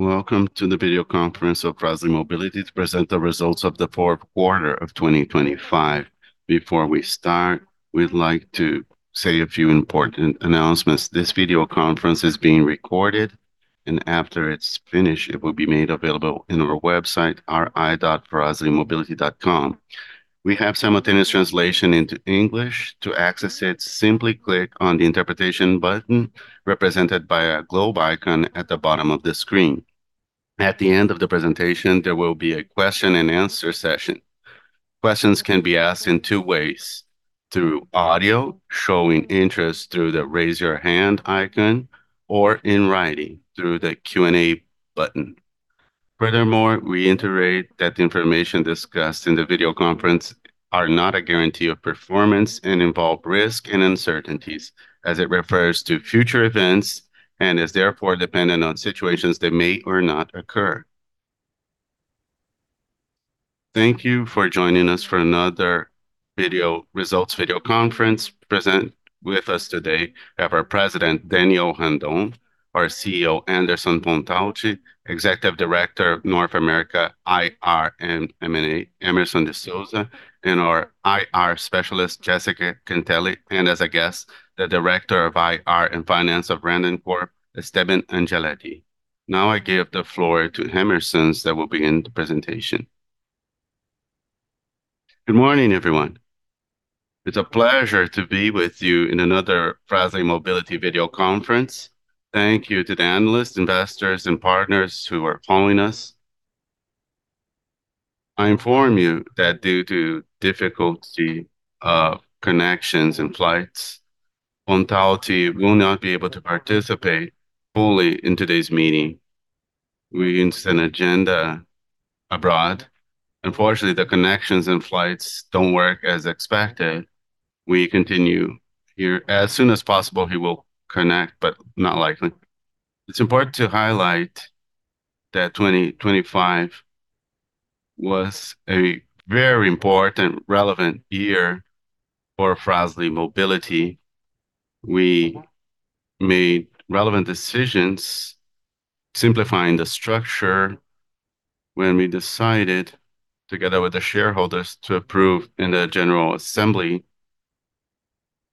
Welcome to the video conference of Frasle Mobility to present the results of the fourth quarter of 2025. Before we start, we'd like to say a few important announcements. This video conference is being recorded, and after it's finished, it will be made available in our website, ri.fraslemobility.com. We have simultaneous translation into English. To access it, simply click on the interpretation button represented by a globe icon at the bottom of the screen. At the end of the presentation, there will be a question-and-answer session. Questions can be asked in two ways, through audio, showing interest through the raise your hand icon, or in writing through the Q&A button. Furthermore, we reiterate that the information discussed in the video conference is not a guarantee of performance and involves risk and uncertainties as it refers to future events, and is therefore dependent on situations that may or may not occur. Thank you for joining us for another video results video conference. Presenting with us today, we have our President Daniel Randon, our CEO Anderson Pontalti, Executive Director of North America, IR, and M&A Hemerson de Souza, and our IR specialist Jéssica Cantele, and as a guest, the Director of IR and Finance of Randoncorp Esteban Angeletti. Now, I give the floor to Hemerson that will begin the presentation. Good morning, everyone. It's a pleasure to be with you in another Frasle Mobility video conference. Thank you to the analysts, investors, and partners who are calling us. I inform you that due to difficulty of connections and flights, Anderson Pontalti will not be able to participate fully in today's meeting. We sent the agenda abroad. Unfortunately, the connections and flights don't work as expected. We continue here. As soon as possible, he will connect, but not likely. It's important to highlight that 2025 was a very important relevant year for Frasle Mobility. We made relevant decisions simplifying the structure when we decided, together with the shareholders, to approve in the general assembly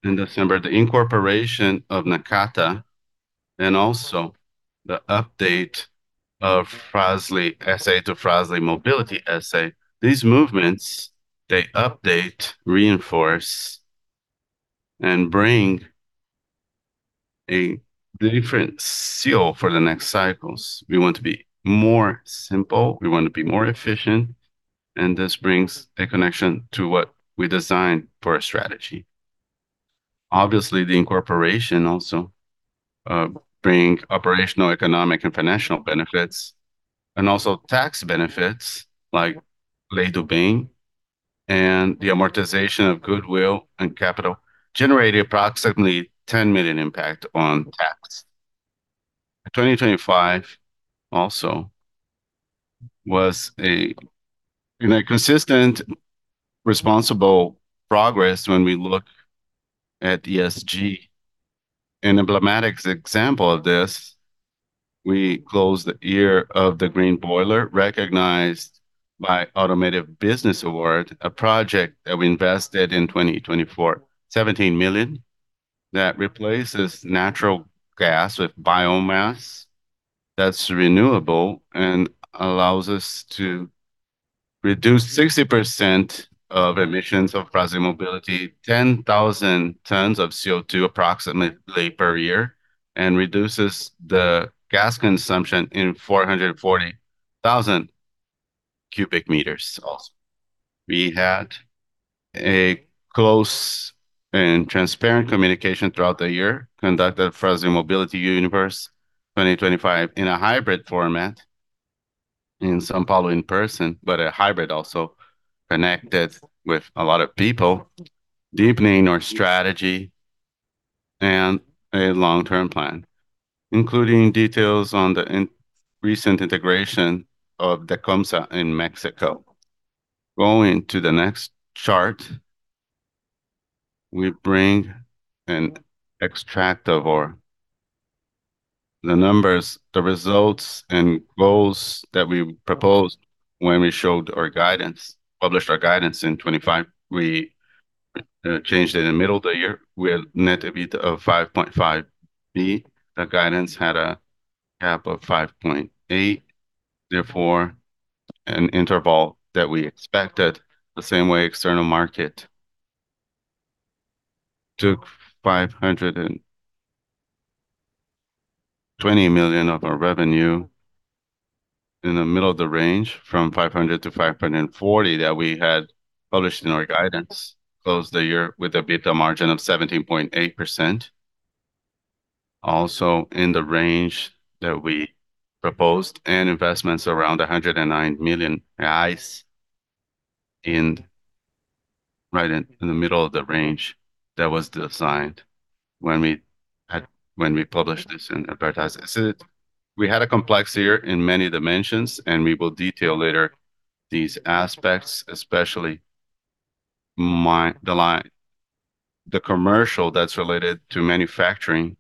in December, the incorporation of Nakata, and also the update of Fras-le S.A. to Frasle Mobility S.A. These movements, they update, reinforce, and bring a different feel for the next cycles. We want to be more simple, we want to be more efficient, and this brings a connection to what we designed for a strategy. Obviously, the incorporation also bring operational, economic, and financial benefits, and also tax benefits like Lei do Bem and the amortization of goodwill and capital, generating approximately 10 million impact on tax. 2025 also was a consistent responsible progress when we look at ESG. An emblematic example of this, we closed the year of the Green Boiler, recognized by Automotive Business Award, a project that we invested 17 million in 2024 that replaces natural gas with biomass that's renewable and allows us to reduce 60% of emissions of Frasle Mobility, 10,000 tons of CO2, approximately per year, and reduces the gas consumption in 440,000 cubic meters also. We had a close and transparent communication throughout the year, conducted Frasle Mobility Universe 2025 in a hybrid format in São Paulo in person, but a hybrid also connected with a lot of people, deepening our strategy and a long-term plan, including details on the recent integration of the Dacomsa in Mexico. Going to the next chart, we bring an extract of our numbers, the results, and goals that we proposed when we showed our guidance, published our guidance in 2025. We changed it in the middle of the year. We had net EBITDA of 5.5 billion. The guidance had a cap of 5.8 billion, therefore an interval that we expected. The same way external market took 520 million of our revenue in the middle of the range from 500 million-540 million that we had published in our guidance. Closed the year with an EBITDA margin of 17.8%, also in the range that we proposed, and investments around 109 million right in the middle of the range that was designed when we published this and advertised it. We had a complex year in many dimensions, and we will detail later these aspects, especially the line the commercial that's related to manufacturing.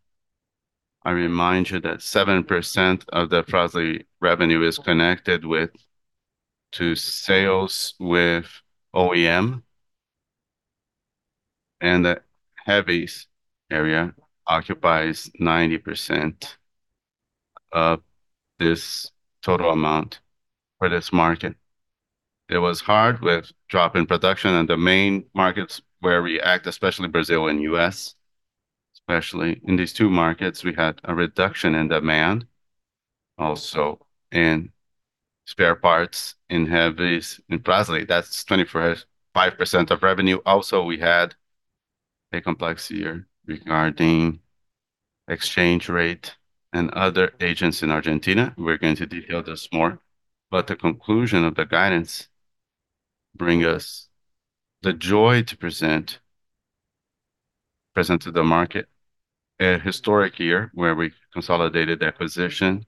I remind you that 7% of the Fras-le revenue is connected to sales to OEM, and the heavies area occupies 90% of this total amount for this market. It was hard with drop in production in the main markets where we act, especially Brazil and U.S. Especially in these two markets, we had a reduction in demand also, and spare parts in heavies. In Fras-le, that's 24.5% of revenue. Also, we had a complex year regarding exchange rate and other agents in Argentina. We're going to detail this more. The conclusion of the guidance bring us the joy to present to the market a historic year where we consolidated the acquisition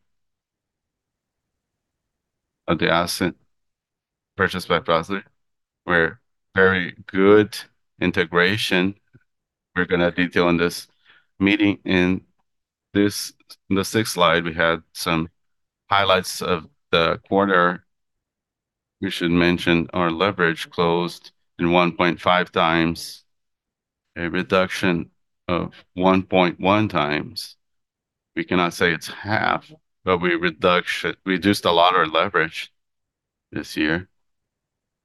of the asset purchased by Fras-le. We're very good integration. We're gonna detail in this meeting. In this, the sixth slide, we had some highlights of the quarter. We should mention our leverage closed in 1.5x, a reduction of 1.1x. We cannot say it's half, but we reduced a lot of leverage this year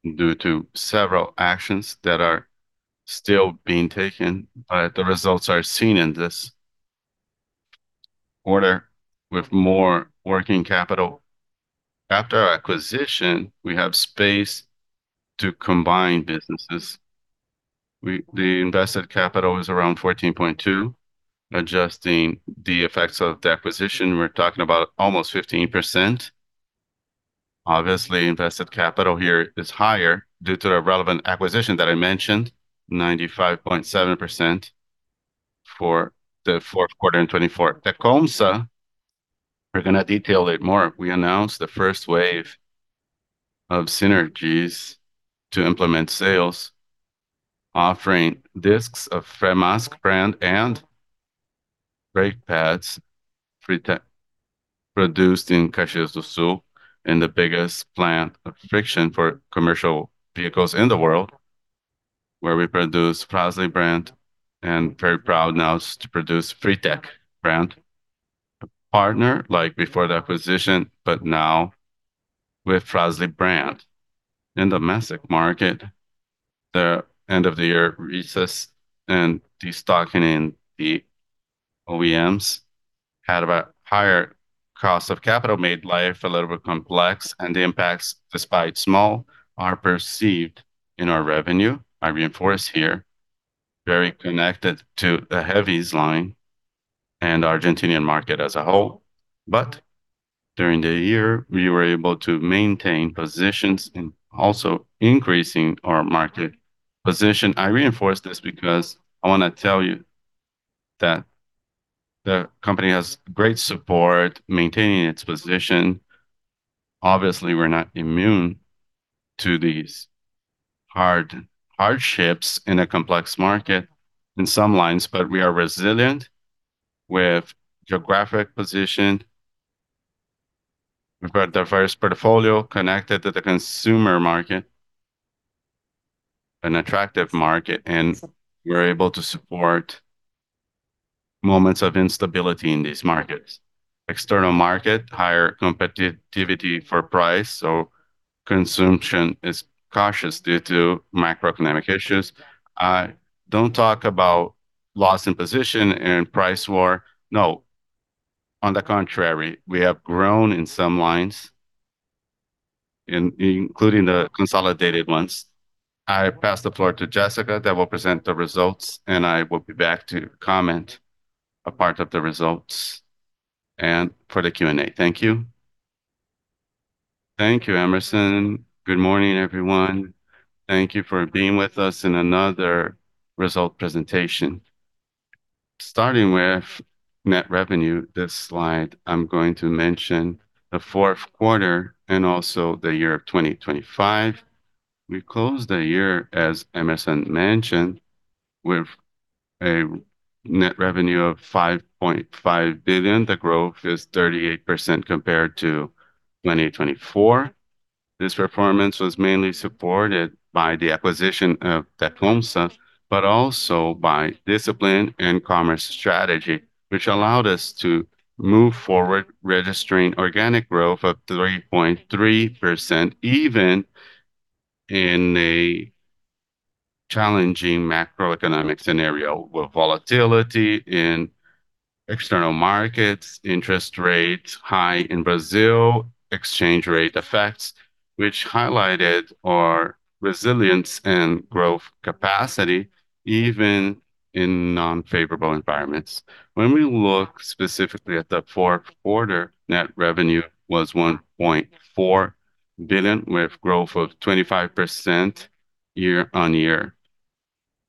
due to several actions that are still being taken, but the results are seen in this order with more working capital. After acquisition, we have space to combine businesses. The invested capital is around 14.2. Adjusting the effects of the acquisition, we're talking about almost 15%. Obviously, invested capital here is higher due to the relevant acquisition that I mentioned, 95.7% for the fourth quarter in 2024. Dacomsa, we're gonna detail it more. We announced the first wave of synergies to implement sales, offering discs of Fremax brand and brake pads pre-produced in Caxias do Sul in the biggest plant of friction for commercial vehicles in the world, where we produce Fras-le brand and very proud now to produce Fritec brand. A partner like before the acquisition, but now with Fras-le brand. In domestic market, the end of the year recess and destocking in the OEMs had a higher cost of capital, made life a little bit complex, and the impacts, despite small, are perceived in our revenue. I reinforce here, very connected to the heavies line and Argentinian market as a whole. During the year, we were able to maintain positions and also increasing our market position. I reinforce this because I wanna tell you that the company has great support maintaining its position. Obviously, we're not immune to these hardships in a complex market in some lines, but we are resilient with geographic position. We've got diverse portfolio connected to the consumer market, an attractive market, and we're able to support moments of instability in these markets. External market, higher competitiveness for price, so consumption is cautious due to macroeconomic issues. I don't think about loss in position and price war. No. On the contrary, we have grown in some lines, including the consolidated ones. I pass the floor to Jessica that will present the results, and I will be back to comment a part of the results and for the Q&A. Thank you. Thank you, Hemerson. Good morning, everyone. Thank you for being with us in another results presentation. Starting with net revenue, this slide, I'm going to mention the fourth quarter and also the year of 2025. We closed the year, as Hemerson mentioned, with a net revenue of 5.5 billion. The growth is 38% compared to 2024. This performance was mainly supported by the acquisition of Tecumseh, but also by discipline and commerce strategy, which allowed us to move forward, registering organic growth of 3.3%, even in a challenging macroeconomic scenario with volatility in external markets, interest rates high in Brazil, exchange rate effects, which highlighted our resilience and growth capacity even in non-favorable environments. When we look specifically at the fourth quarter, net revenue was 1.4 billion, with growth of 25% year-on-year.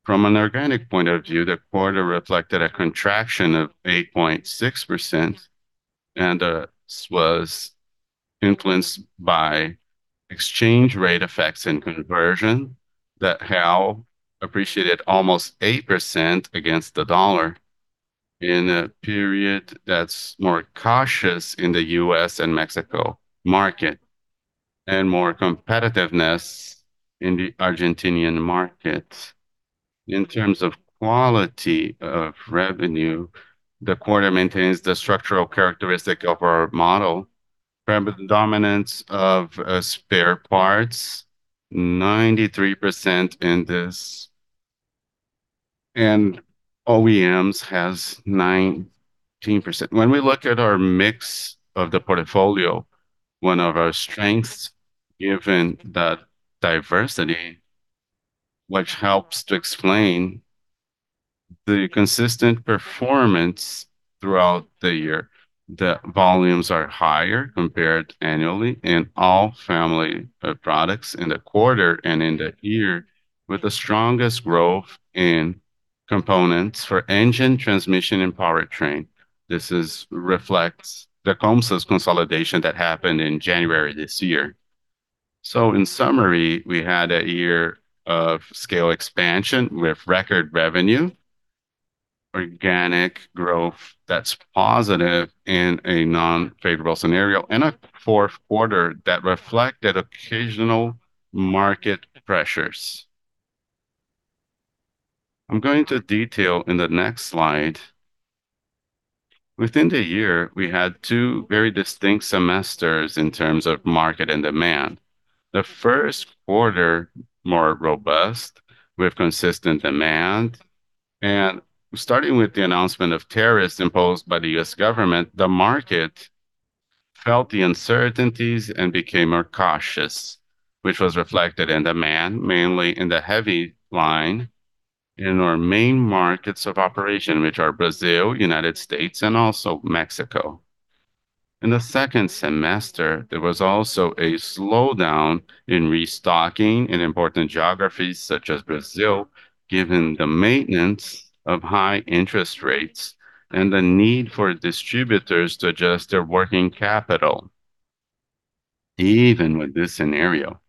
From an organic point of view, the quarter reflected a contraction of 8.6% and was influenced by exchange rate effects and conversion that have appreciated almost 8% against the dollar in a period that's more cautious in the U.S. and Mexico market, and more competitiveness in the Argentinian market. In terms of quality of revenue, the quarter maintains the structural characteristic of our model. Remember the dominance of spare parts, 93% in this, and OEMs has 19%. When we look at our mix of the portfolio, one of our strengths given that diversity, which helps to explain the consistent performance throughout the year, the volumes are higher compared annually in all family of products in the quarter and in the year, with the strongest growth in components for engine, transmission, and powertrain. This reflects Dacomsa's consolidation that happened in January this year. In summary, we had a year of scale expansion with record revenue, organic growth that's positive in a non-favorable scenario, and a fourth quarter that reflected occasional market pressures. I'm going to detail in the next slide. Within the year, we had two very distinct semesters in terms of market and demand. The first quarter, more robust, with consistent demand. Starting with the announcement of tariffs imposed by the U.S. government, the market felt the uncertainties and became more cautious, which was reflected in demand, mainly in the heavy line in our main markets of operation, which are Brazil, United States, and also Mexico. In the second semester, there was also a slowdown in restocking in important geographies such as Brazil, given the maintenance of high interest rates and the need for distributors to adjust their working capital. Even with this scenario,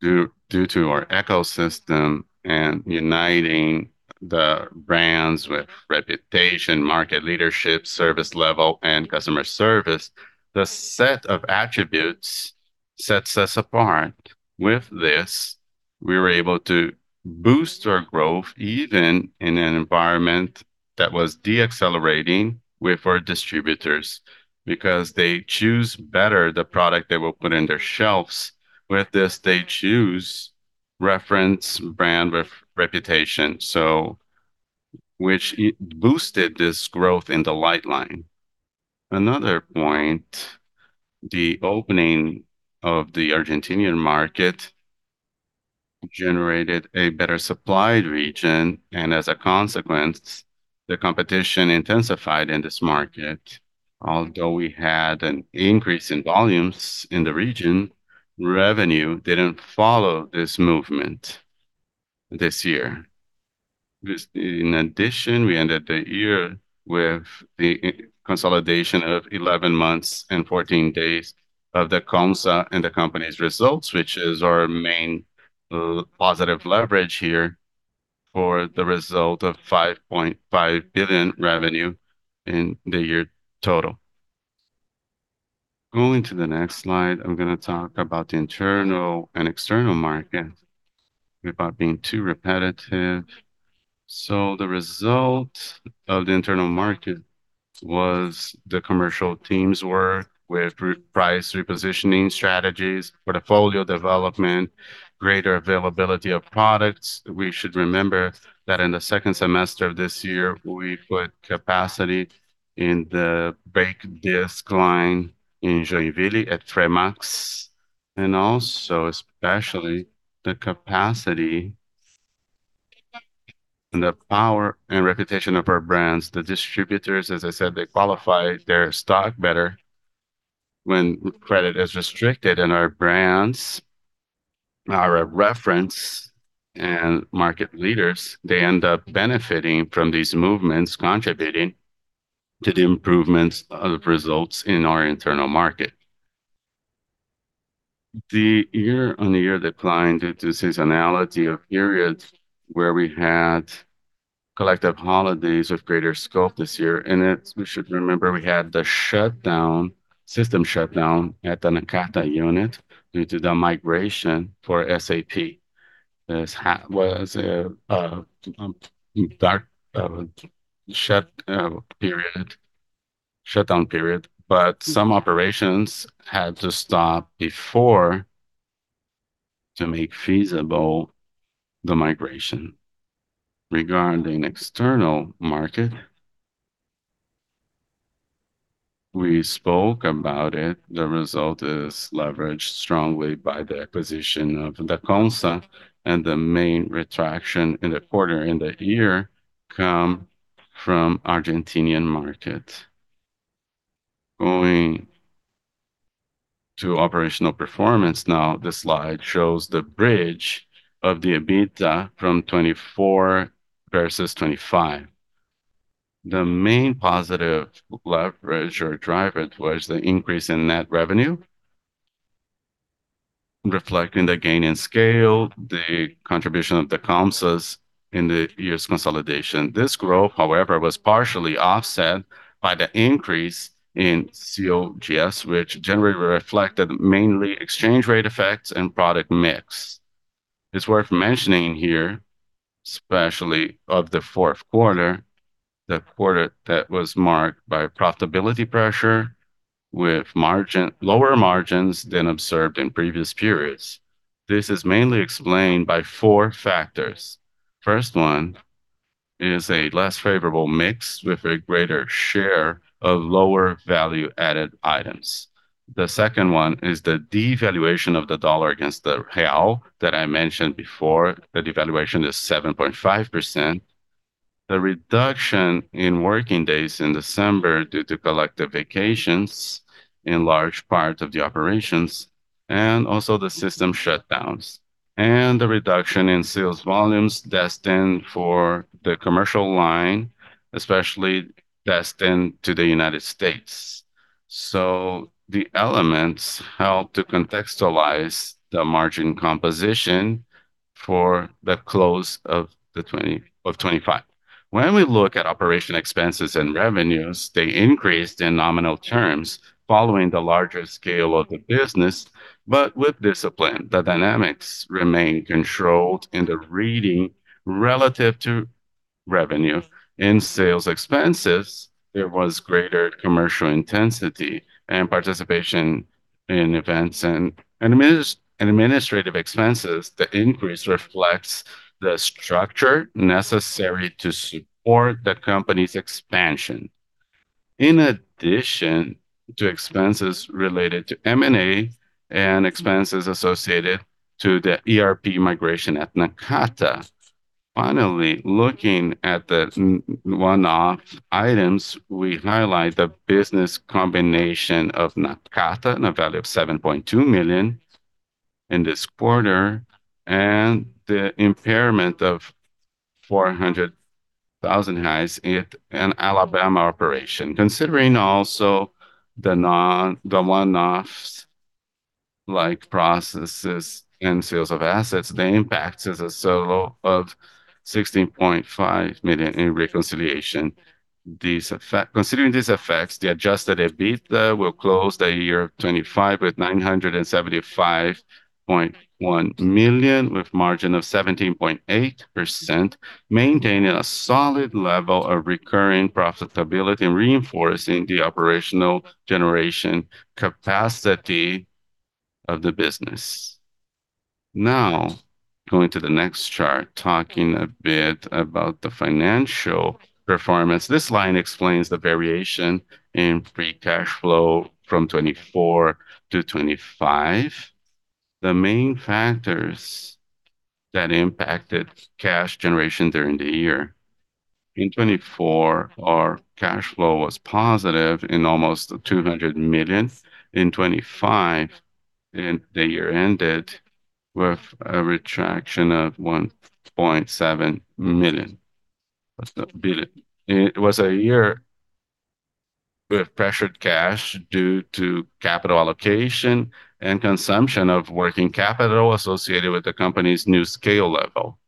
due to our ecosystem and uniting the brands with reputation, market leadership, service level, and customer service, the set of attributes sets us apart. With this, we were able to boost our growth even in an environment that was decelerating with our distributors because they choose better the product they will put in their shelves. With this, they choose reference brand reputation boosted this growth in the light line. Another point, the opening of the Argentine market generated a better supplied region, and as a consequence, the competition intensified in this market. Although we had an increase in volumes in the region, revenue didn't follow this movement this year. In addition, we ended the year with the consolidation of 11 months and 14 days of the Dacomsa and the company's results, which is our main positive leverage here for the result of 5.5 billion revenue in the year total. Going to the next slide, I'm gonna talk about the internal and external market without being too repetitive. The result of the internal market was the commercial team's work with re-price repositioning strategies, portfolio development, greater availability of products. We should remember that in the second semester of this year, we put capacity in the brake disc line in Joinville at Fremax, and also especially the capacity and the power and reputation of our brands. The distributors, as I said, they qualify their stock better when credit is restricted, and our brands are a reference and market leaders. They end up benefiting from these movements, contributing to the improvements of results in our internal market. The year-on-year decline due to seasonality of periods where we had collective holidays of greater scope this year. We should remember we had the shutdown, system shutdown at the Nakata unit due to the migration for SAP. This was a hard shutdown period. Some operations had to stop before to make feasible the migration. Regarding external market, we spoke about it. The result is leveraged strongly by the acquisition of the Dacomsa, and the main contraction in the quarter and the year come from Argentine market. Going to operational performance now, this slide shows the bridge of the EBITDA from 2024 versus 2025. The main positive leverage or driver was the increase in net revenue, reflecting the gain in scale, the contribution of the Dacomsa's in the year's consolidation. This growth, however, was partially offset by the increase in COGS, which generally reflected mainly exchange rate effects and product mix. It's worth mentioning here, especially of the fourth quarter, the quarter that was marked by profitability pressure with lower margins than observed in previous periods. This is mainly explained by four factors. First one is a less favorable mix with a greater share of lower value-added items. The second one is the devaluation of the dollar against the real that I mentioned before. The devaluation is 7.5%. The reduction in working days in December due to collective vacations in large parts of the operations, and also the system shutdowns, and the reduction in sales volumes destined for the commercial line, especially destined to the United States. The elements help to contextualize the margin composition for the close of 2025. When we look at operating expenses and revenues, they increased in nominal terms following the larger scale of the business, but with discipline. The dynamics remain controlled in the reading relative to revenue. In sales expenses, there was greater commercial intensity and participation in events. In administrative expenses, the increase reflects the structure necessary to support the company's expansion. In addition to expenses related to M&A and expenses associated to the ERP migration at Nakata. Finally, looking at the main one-off items, we highlight the business combination of Nakata in a value of 7.2 million in this quarter, and the impairment of 400,000 in an Alabama operation. Considering also the one-offs like processes and sales of assets, the impact is a sum of 16.5 million in reconciliation. Considering these effects, the Adjusted EBITDA will close the year 2025 with 975.1 million, with margin of 17.8%, maintaining a solid level of recurring profitability and reinforcing the operational generation capacity of the business. Now, going to the next chart, talking a bit about the financial performance. This line explains the variation in free cash flow from 2024-2025. The main factors that impacted cash generation during the year. In 2024, our cash flow was positive in almost 200 million. In 2025, the year ended with a retraction of 1.7 billion. It was a year with pressured cash due to capital allocation and consumption of working capital associated with the company's new scale level.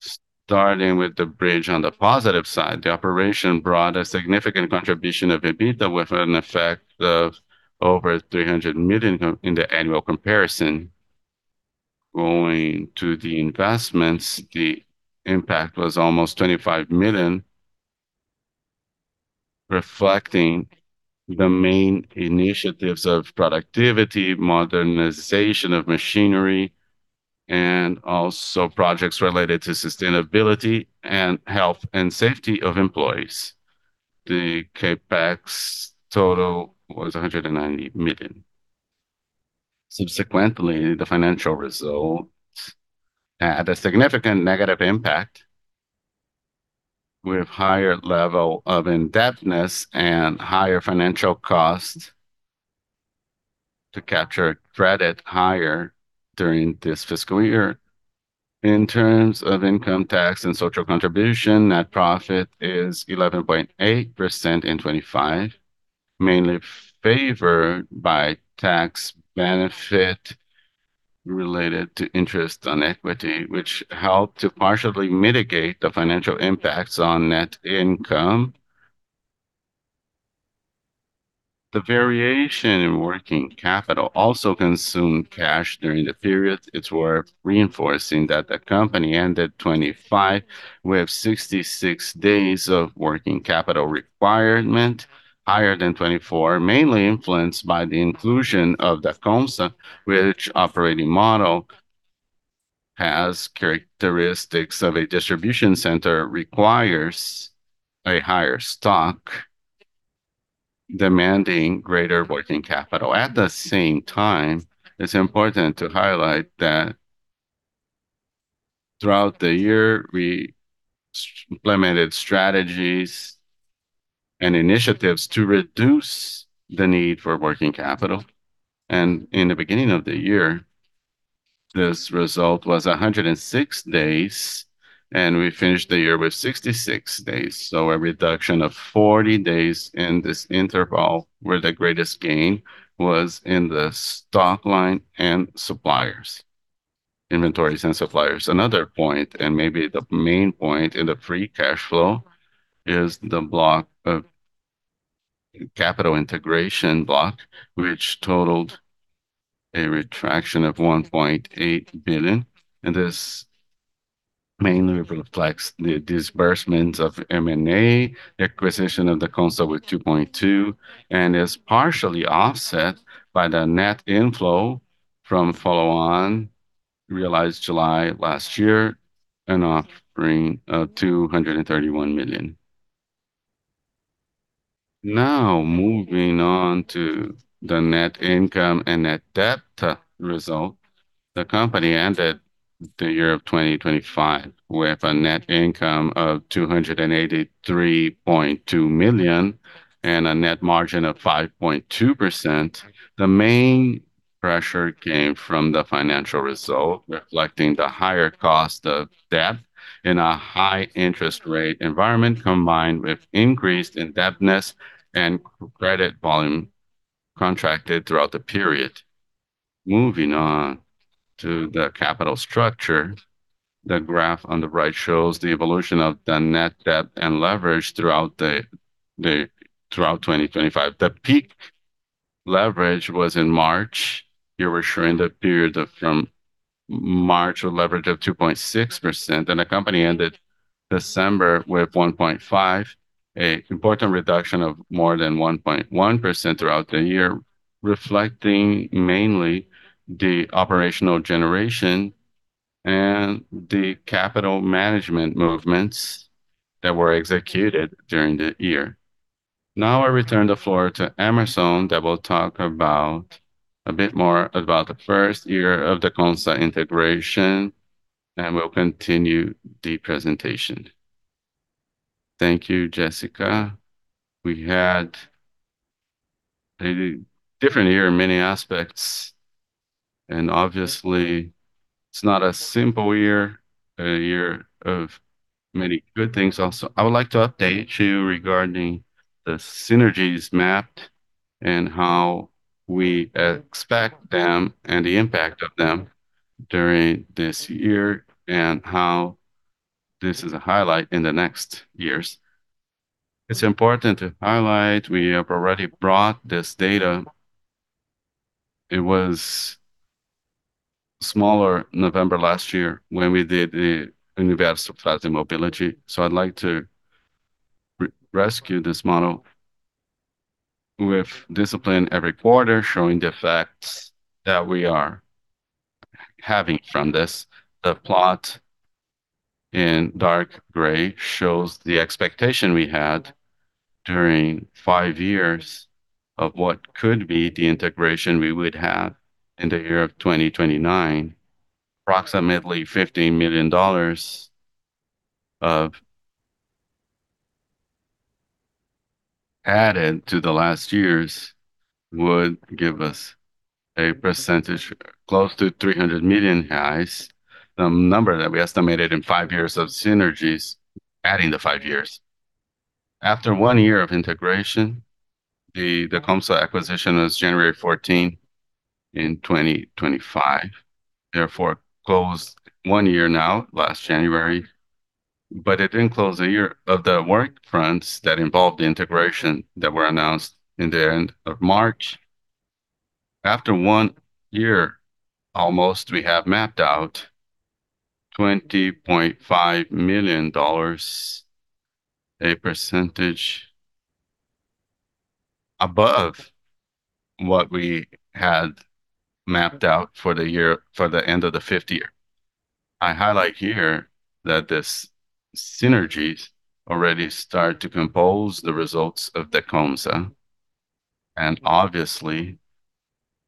Starting with the bridge on the positive side, the operation brought a significant contribution of EBITDA with an effect of over 300 million in the annual comparison. Going to the investments, the impact was almost 25 million, reflecting the main initiatives of productivity, modernization of machinery, and also projects related to sustainability and health and safety of employees. The CapEx total was 190 million. Subsequently, the financial results had a significant negative impact with higher level of indebtedness and higher financial cost to capture credit higher during this fiscal year. In terms of income tax and social contribution, net profit is 11.8% in 2025, mainly favored by tax benefit related to interest on equity, which helped to partially mitigate the financial impacts on net income. The variation in working capital also consumed cash during the period. It's worth reinforcing that the company ended 2025 with 66 days of working capital requirement higher than 2024, mainly influenced by the inclusion of the Dacomsa, which operating model has characteristics of a distribution center, requires a higher stock, demanding greater working capital. At the same time, it's important to highlight that. Throughout the year, we implemented strategies and initiatives to reduce the need for working capital. In the beginning of the year, this result was 106 days, and we finished the year with 66 days. A reduction of 40 days in this interval, where the greatest gain was in the stock line and suppliers. Inventories and suppliers. Another point, and maybe the main point in the free cash flow, is the block of capital integration, which totaled a retraction of 1.8 billion. This mainly reflects the disbursements of M&A, acquisition of the Dacomsa with 2.2 billion, and is partially offset by the net inflow from follow-on realized July last year, an offering of 231 million. Now, moving on to the net income and net debt result. The company ended the year of 2025 with a net income of 283.2 million and a net margin of 5.2%. The main pressure came from the financial result, reflecting the higher cost of debt in a high interest rate environment, combined with increased indebtedness and credit volume contracted throughout the period. Moving on to the capital structure. The graph on the right shows the evolution of the net debt and leverage throughout 2025. The peak leverage was in March. We're showing the period from March with a leverage of 2.6%, and the company ended December with 1.5%, an important reduction of more than 1.1% throughout the year, reflecting mainly the operational generation and the capital management movements that were executed during the year. Now I return the floor to Hemerson, who will talk a bit more about the first year of the Dacomsa integration, and will continue the presentation. Thank you, Jéssica. We had a different year in many aspects, and obviously it's not a simple year, a year of many good things also. I would like to update you regarding the synergies mapped and how we expect them and the impact of them during this year, and how this is a highlight in the next years. It's important to highlight, we have already brought this data. It was in November last year when we did the Frasle Mobility Universe. I'd like to retrieve this model with discipline every quarter, showing the effects that we are having from this. The plot in dark gray shows the expectation we had during five years of what could be the integration we would have in the year of 2029. Approximately $15 million of added to the last year's would give us a percentage close to 300 million reais. The number that we estimated in five years of synergies, adding the five years. After one year of integration, the Dacomsa acquisition was January 14, 2025, therefore closed one year now, last January. It didn't close the year of the work fronts that involved the integration that were announced in the end of March. After one year almost, we have mapped out $20.5 million, a percentage above what we had mapped out for the year, for the end of the fifth year. I highlight here that these synergies already start to compose the results of the Dacomsa, and obviously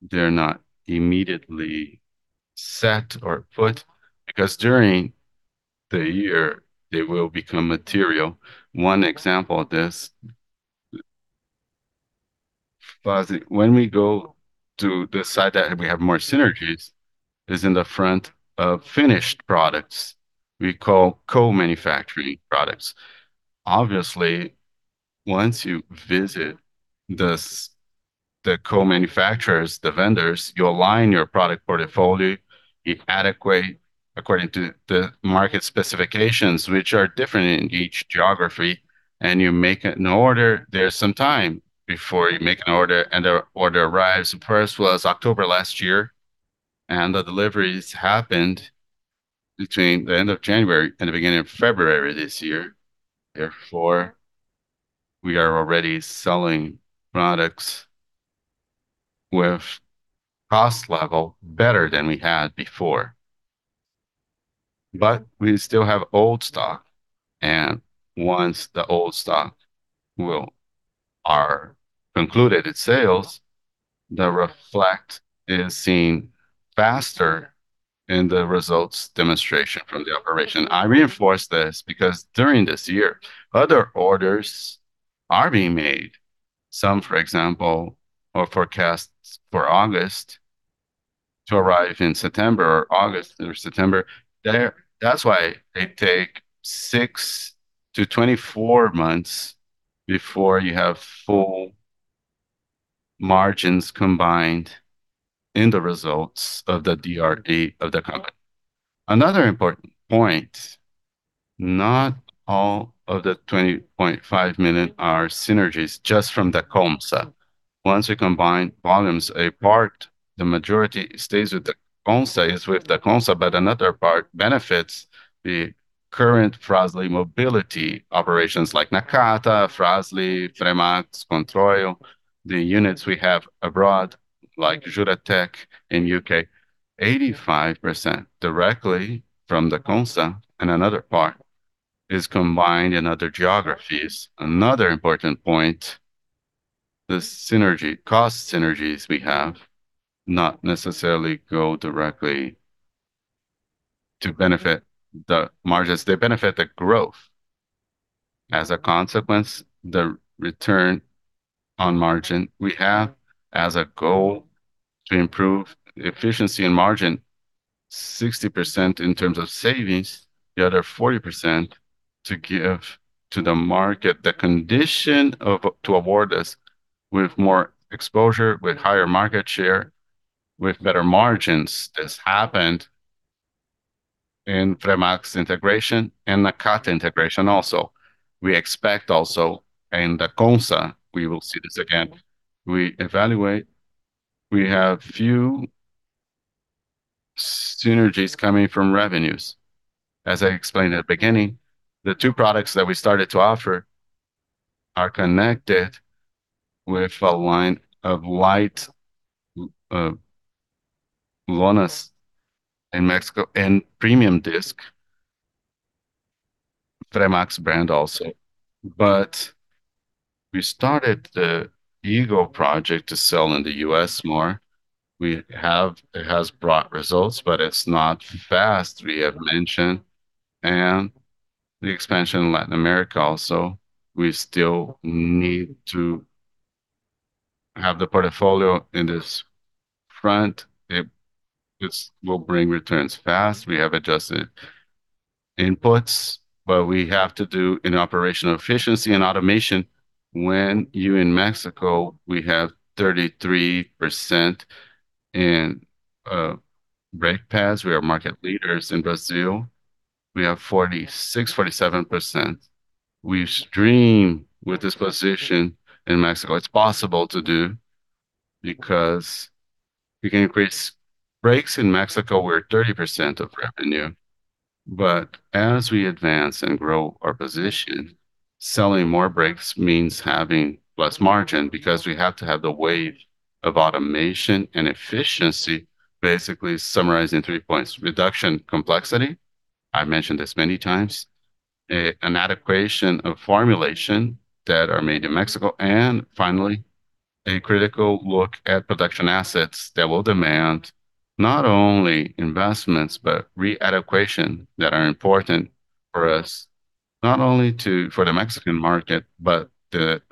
they're not immediately set or put, because during the year they will become material. One example of this, when we go to the site that we have more synergies is in the front of finished products, we call co-manufacturing products. Obviously, once you visit the co-manufacturers, the vendors, you align your product portfolio, you adapt according to the market specifications, which are different in each geography, and you make an order. There's some time before you make an order and the order arrives. The first was October last year, and the deliveries happened between the end of January and the beginning of February this year. Therefore, we are already selling products with cost level better than we had before. We still have old stock, and once the old stock will be concluded in sales that reflection is seen faster in the results demonstration from the operation. I reinforce this because during this year, other orders are being made. Some, for example, are forecasts for August to arrive in August or September. That's why they take six to 24 months before you have full margins combined in the results of the DRE of the company. Another important point, not all of the $20.5 million are synergies just from the Dacomsa. Once we combine volumes, a part, the majority is with the Dacomsa, but another part benefits the current Fras-le Mobility operations like Nakata, Fras-le, Fremax, Controil, the units we have abroad, like Juratek in U.K. 85% directly from the Dacomsa and another part is combined in other geographies. Another important point, the synergy, cost synergies we have not necessarily go directly to benefit the margins. They benefit the growth. As a consequence, the return on margin, we have as a goal to improve efficiency and margin 60% in terms of savings, the other 40% to give to the market the condition of, to award us with more exposure, with higher market share, with better margins. This happened in Fremax integration and Nakata integration also. We expect also in the Dacomsa, we will see this again. We evaluate. We have few synergies coming from revenues. As I explained at the beginning, the two products that we started to offer are connected with a line of white, Lonas in Mexico and premium disc, Fremax brand also. We started the Eagle project to sell in the U.S. more. We have. It has brought results, but it's not fast, we have mentioned, and the expansion in Latin America also. We still need to have the portfolio in this front. This will bring returns fast. We have adjusted inputs, but we have to do in operational efficiency and automation. When we're in Mexico, we have 33% in brake pads. We are market leaders in Brazil. We have 46%-47%. We dream with this position in Mexico. It's possible to do because we can increase brakes. In Mexico, we're at 30% of revenue. But as we advance and grow our position, selling more brakes means having less margin because we have to have the wave of automation and efficiency. Basically, summarizing three points, reduction in complexity, I mentioned this many times, an adaptation of formulations that are made in Mexico, and finally, a critical look at production assets that will demand not only investments, but readaquation that are important for us, not only for the Mexican market, but the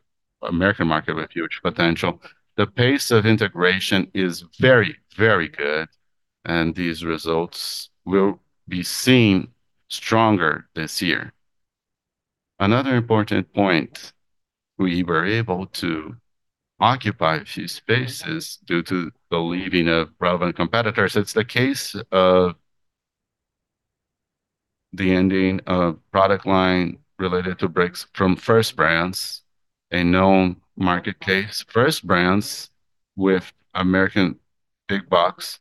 American market with huge potential. The pace of integration is very, very good, and these results will be seen stronger this year. Another important point, we were able to occupy a few spaces due to the leaving of relevant competitors. It's the case of the ending of product line related to brakes from First Brands Group, a known market case. First Brands Group with American big-box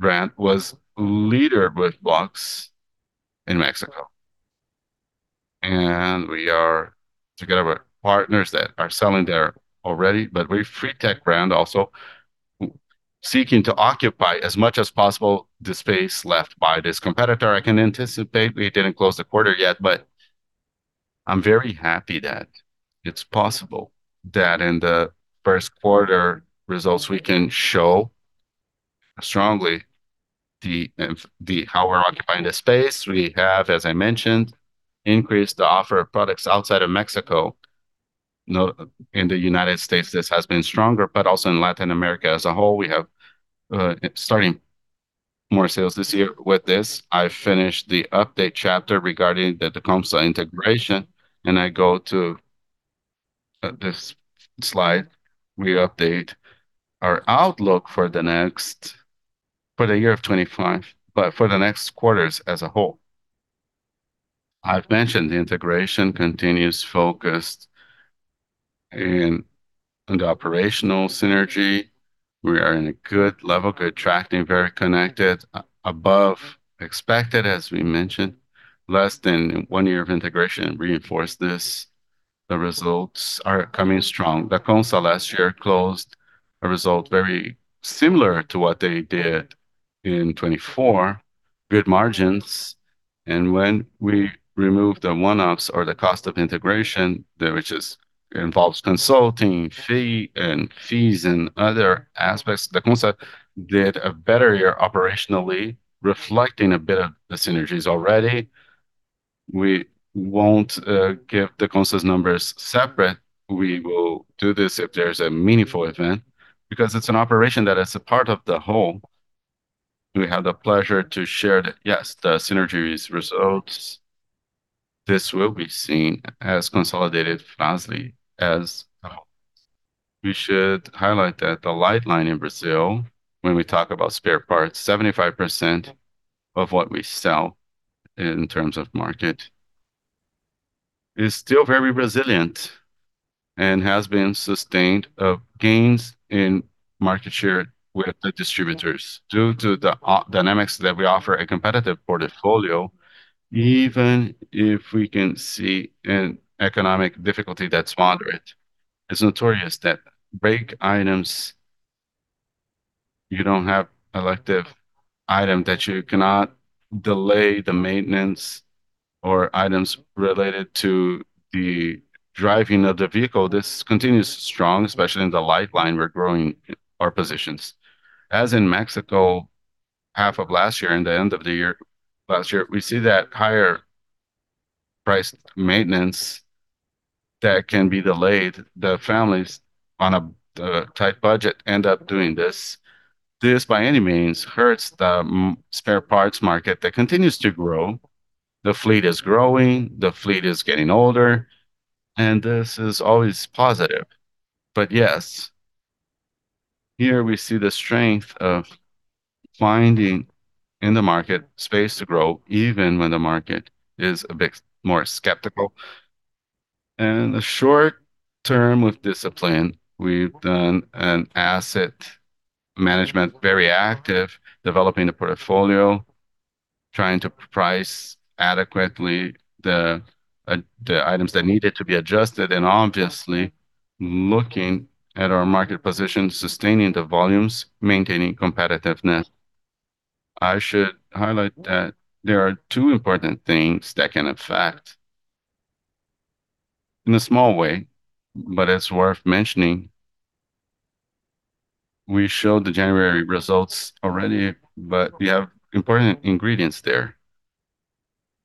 brand was leader with Walmex in Mexico. We are together with partners that are selling there already, but with Fritec brand also, seeking to occupy as much as possible the space left by this competitor. I can anticipate, we didn't close the quarter yet, but I'm very happy that it's possible that in the first quarter results we can show strongly the how we're occupying the space. We have, as I mentioned, increased the offer of products outside of Mexico. In the United States, this has been stronger, but also in Latin America as a whole, we have starting more sales this year. With this, I finish the update chapter regarding the Dacomsa integration, and I go to this slide. We update our outlook for the next, for the year of 2025, but for the next quarters as a whole. I've mentioned the integration continues focused on the operational synergy. We are in a good level, good tracking, very connected, above expected as we mentioned. Less than one year of integration reinforced this. The results are coming strong. Dacomsa last year closed a result very similar to what they did in 2024. Good margins. When we remove the one-offs or the cost of integration, which involves consulting fee and fees and other aspects, Dacomsa did a better year operationally, reflecting a bit of the synergies already. We won't give Dacomsa's numbers separate. We will do this if there's a meaningful event, because it's an operation that is a part of the whole. We have the pleasure to share that, yes, the synergies results, this will be seen as consolidated finally as a whole. We should highlight that the light line in Brazil, when we talk about spare parts, 75% of what we sell in terms of market is still very resilient and has been sustained of gains in market share with the distributors due to the dynamics that we offer a competitive portfolio, even if we can see an economic difficulty that's moderate. It's notorious that brake items, you don't have elective item that you cannot delay the maintenance or items related to the driving of the vehicle. This continues strong, especially in the light line. We're growing our positions. As in Mexico, half of last year and the end of the year, last year, we see that higher-priced maintenance that can be delayed. The families on a tight budget end up doing this. This, by no means, hurts the spare parts market that continues to grow. The fleet is growing, the fleet is getting older, and this is always positive. Yes, here we see the strength of finding in the market space to grow even when the market is a bit more skeptical. In the short term, with discipline, we've done an asset management, very active, developing a portfolio, trying to price adequately the items that needed to be adjusted, and obviously, looking at our market position, sustaining the volumes, maintaining competitiveness. I should highlight that there are two important things that can affect in a small way, but it's worth mentioning. We showed the January results already, but we have important ingredients there.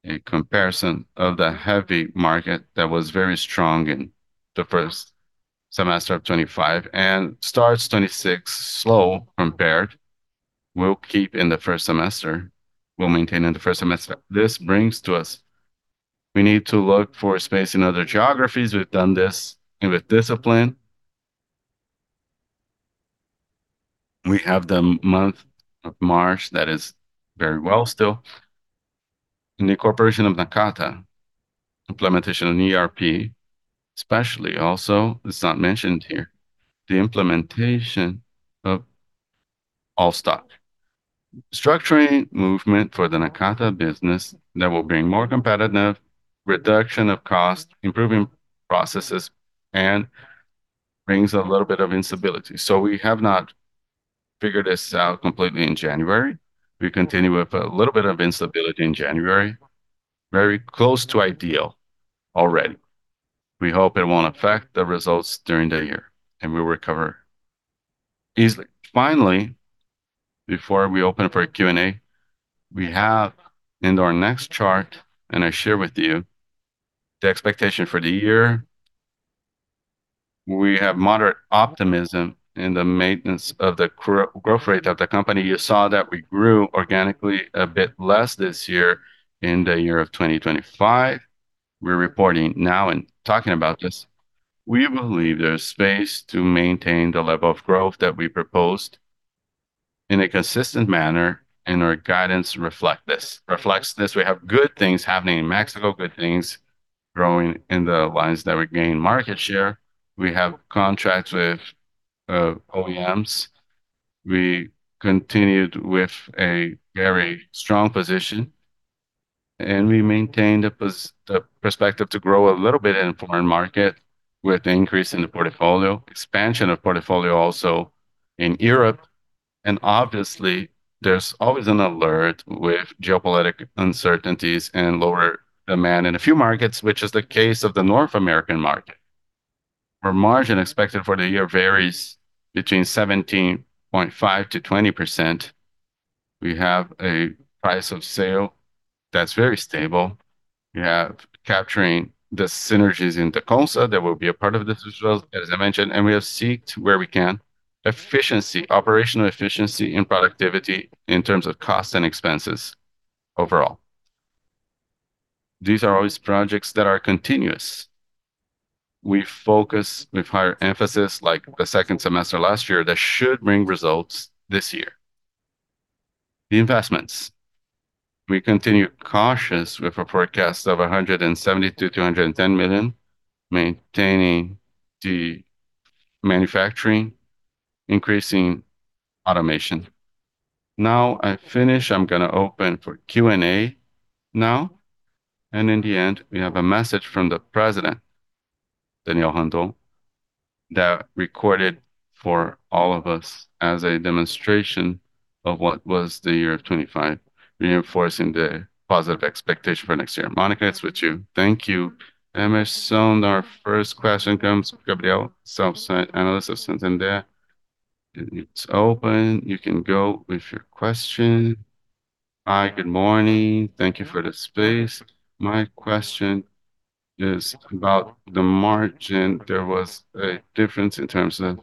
In comparison of the heavy market that was very strong in the first semester of 2025 and starts 2026 slow compared, we'll keep in the first semester. We'll maintain in the first semester. This brings to us, we need to look for space in other geographies. We've done this and with discipline. We have the month of March that is very well still. In the incorporation of Nakata, implementation of ERP, especially also, it's not mentioned here, the implementation of all stock. Structuring movement for the Nakata business that will bring more competitive reduction of cost, improving processes, and brings a little bit of instability. We have not figured this out completely in January. We continue with a little bit of instability in January, very close to ideal already. We hope it won't affect the results during the year, and we'll recover easily. Finally, before we open for Q&A, we have in our next chart, and I share with you, the expectation for the year. We have moderate optimism in the maintenance of the growth rate of the company. You saw that we grew organically a bit less this year in the year of 2025. We're reporting now and talking about this. We believe there's space to maintain the level of growth that we proposed in a consistent manner, and our guidance reflects this. We have good things happening in Mexico, good things growing in the lines that we gain market share. We have contracts with OEMs. We continued with a very strong position, and we maintain the perspective to grow a little bit in foreign market with increase in the portfolio, expansion of portfolio also in Europe. Obviously, there's always an alert with geopolitical uncertainties and lower demand in a few markets, which is the case of the North American market, where margin expected for the year varies between 17.5%-20%. We have a price of sale that's very stable. We have capturing the synergies in Dacomsa that will be a part of this as well, as I mentioned, and we have squeezed where we can. Efficiency, operational efficiency and productivity in terms of cost and expenses overall. These are always projects that are continuous. We focus with higher emphasis like the second semester last year that should bring results this year. The investments. We continue cautious with a forecast of 172 million-210 million, maintaining the manufacturing, increasing automation. Now, I finish. I'm gonna open for Q&A now. In the end, we have a message from the president, Daniel Randon, that recorded for all of us as a demonstration of what was the year of 2025, reinforcing the positive expectation for next year. Monica, it's with you. Thank you. Hemerson, our first question comes from Gabriel, sell-side analyst of Santander. It's open. You can go with your question. Hi, good morning. Thank you for the space. My question is about the margin. There was a difference in terms of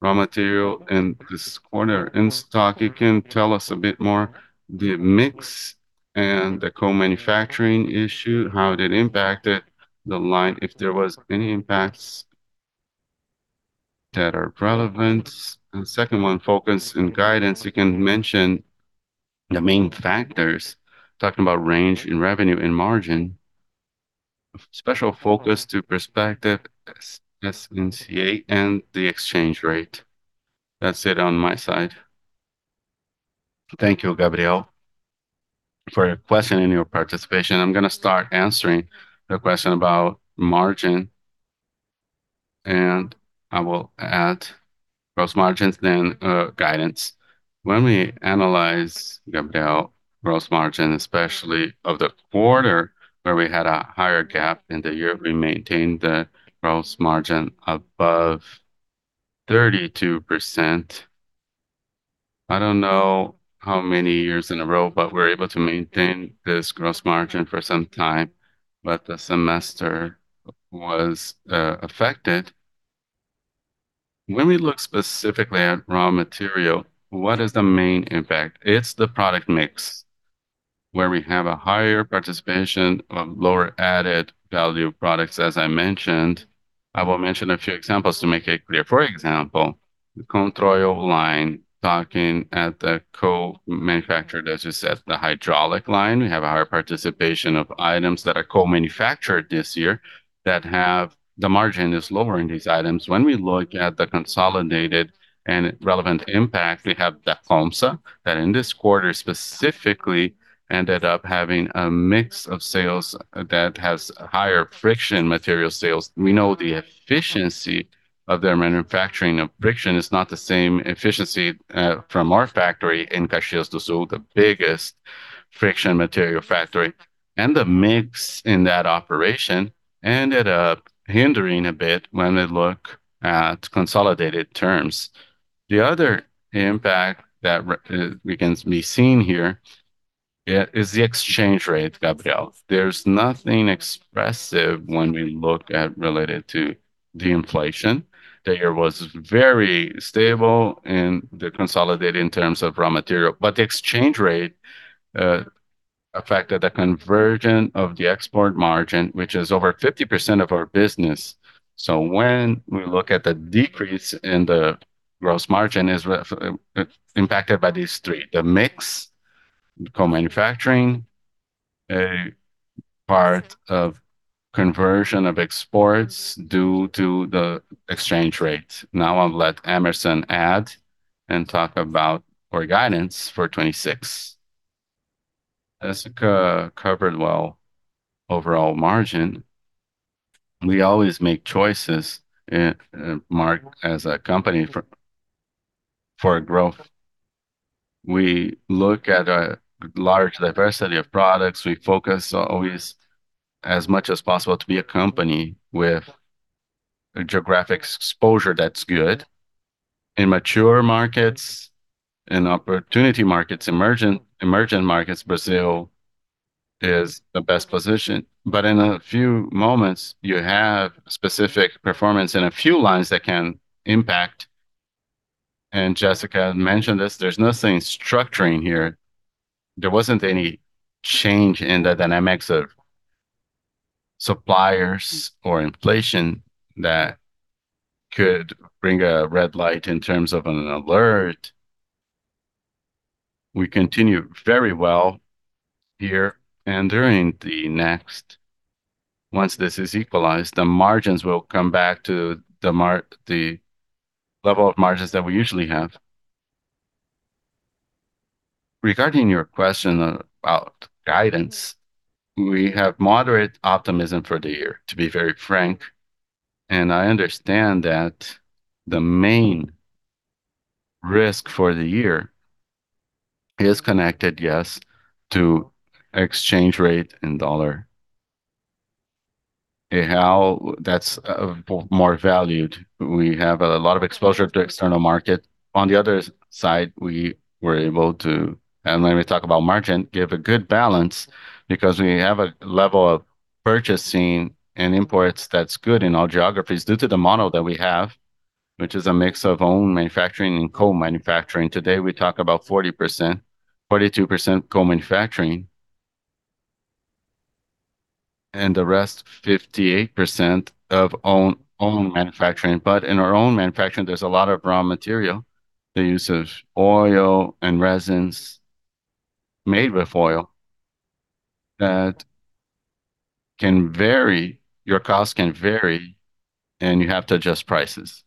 raw material in this quarter. In stock, you can tell us a bit more the mix and the co-manufacturing issue, how it impacted the line, if there was any impacts that are relevant. Second one, forecast and guidance. You can mention the main factors, talking about range in revenue and margin, special focus to perspective SNCA and the exchange rate. That's it on my side. Thank you, Gabriel, for your question and your participation. I'm gonna start answering the question about margin, and I will add gross margins then, guidance. When we analyze, Gabriel, gross margin, especially of the quarter where we had a higher gap in the year, we maintained the gross margin above 32%. I don't know how many years in a row, but we're able to maintain this gross margin for some time, but the semester was affected. When we look specifically at raw material, what is the main impact? It's the product mix, where we have a higher participation of lower added value products, as I mentioned. I will mention a few examples to make it clear. For example, the Controil line, talking at the co-manufacturer, that's just at the hydraulic line, we have a higher participation of items that are co-manufactured this year. The margin is lower in these items. When we look at the consolidated and relevant impact, we have the Dacomsa that in this quarter specifically ended up having a mix of sales that has higher friction material sales. We know the efficiency of their manufacturing of friction is not the same efficiency from our factory in Caxias do Sul, the biggest friction material factory. The mix in that operation ended up hindering a bit when we look at consolidated terms. The other impact that begins to be seen here is the exchange rate, Gabriel. There's nothing expressive when we look at related to the inflation. The year was very stable in the consolidated in terms of raw material, but the exchange rate affected the conversion of the export margin, which is over 50% of our business. When we look at the decrease in the gross margin is impacted by these three: the mix, co-manufacturing, a part of conversion of exports due to the exchange rate. Now I'll let Emerson add and talk about our guidance for 2026. Jessica covered well overall margin. We always make choices in markets as a company for growth. We look at a large diversity of products. We focus always as much as possible to be a company with a geographic exposure that's good in mature markets, in opportunity markets, emerging markets. Brazil is the best positioned. In a few moments, you have specific performance in a few lines that can impact. Jessica mentioned this, there's nothing structural here. There wasn't any change in the dynamics of suppliers or inflation that could bring a red light in terms of an alert. We continue very well here and during the next. Once this is equalized, the margins will come back to the level of margins that we usually have. Regarding your question about guidance, we have moderate optimism for the year, to be very frank. I understand that the main risk for the year is connected, yes, to exchange rate and dollar, and how that's more valued. We have a lot of exposure to external market. On the other side, we were able to, and when we talk about margin, give a good balance because we have a level of purchasing and imports that's good in all geographies due to the model that we have, which is a mix of own manufacturing and co-manufacturing. Today, we talk about 40%, 42% co-manufacturing and the rest 58% of own manufacturing. In our own manufacturing, there's a lot of raw material, the use of oil and resins made with oil that can vary, your cost can vary, and you have to adjust prices.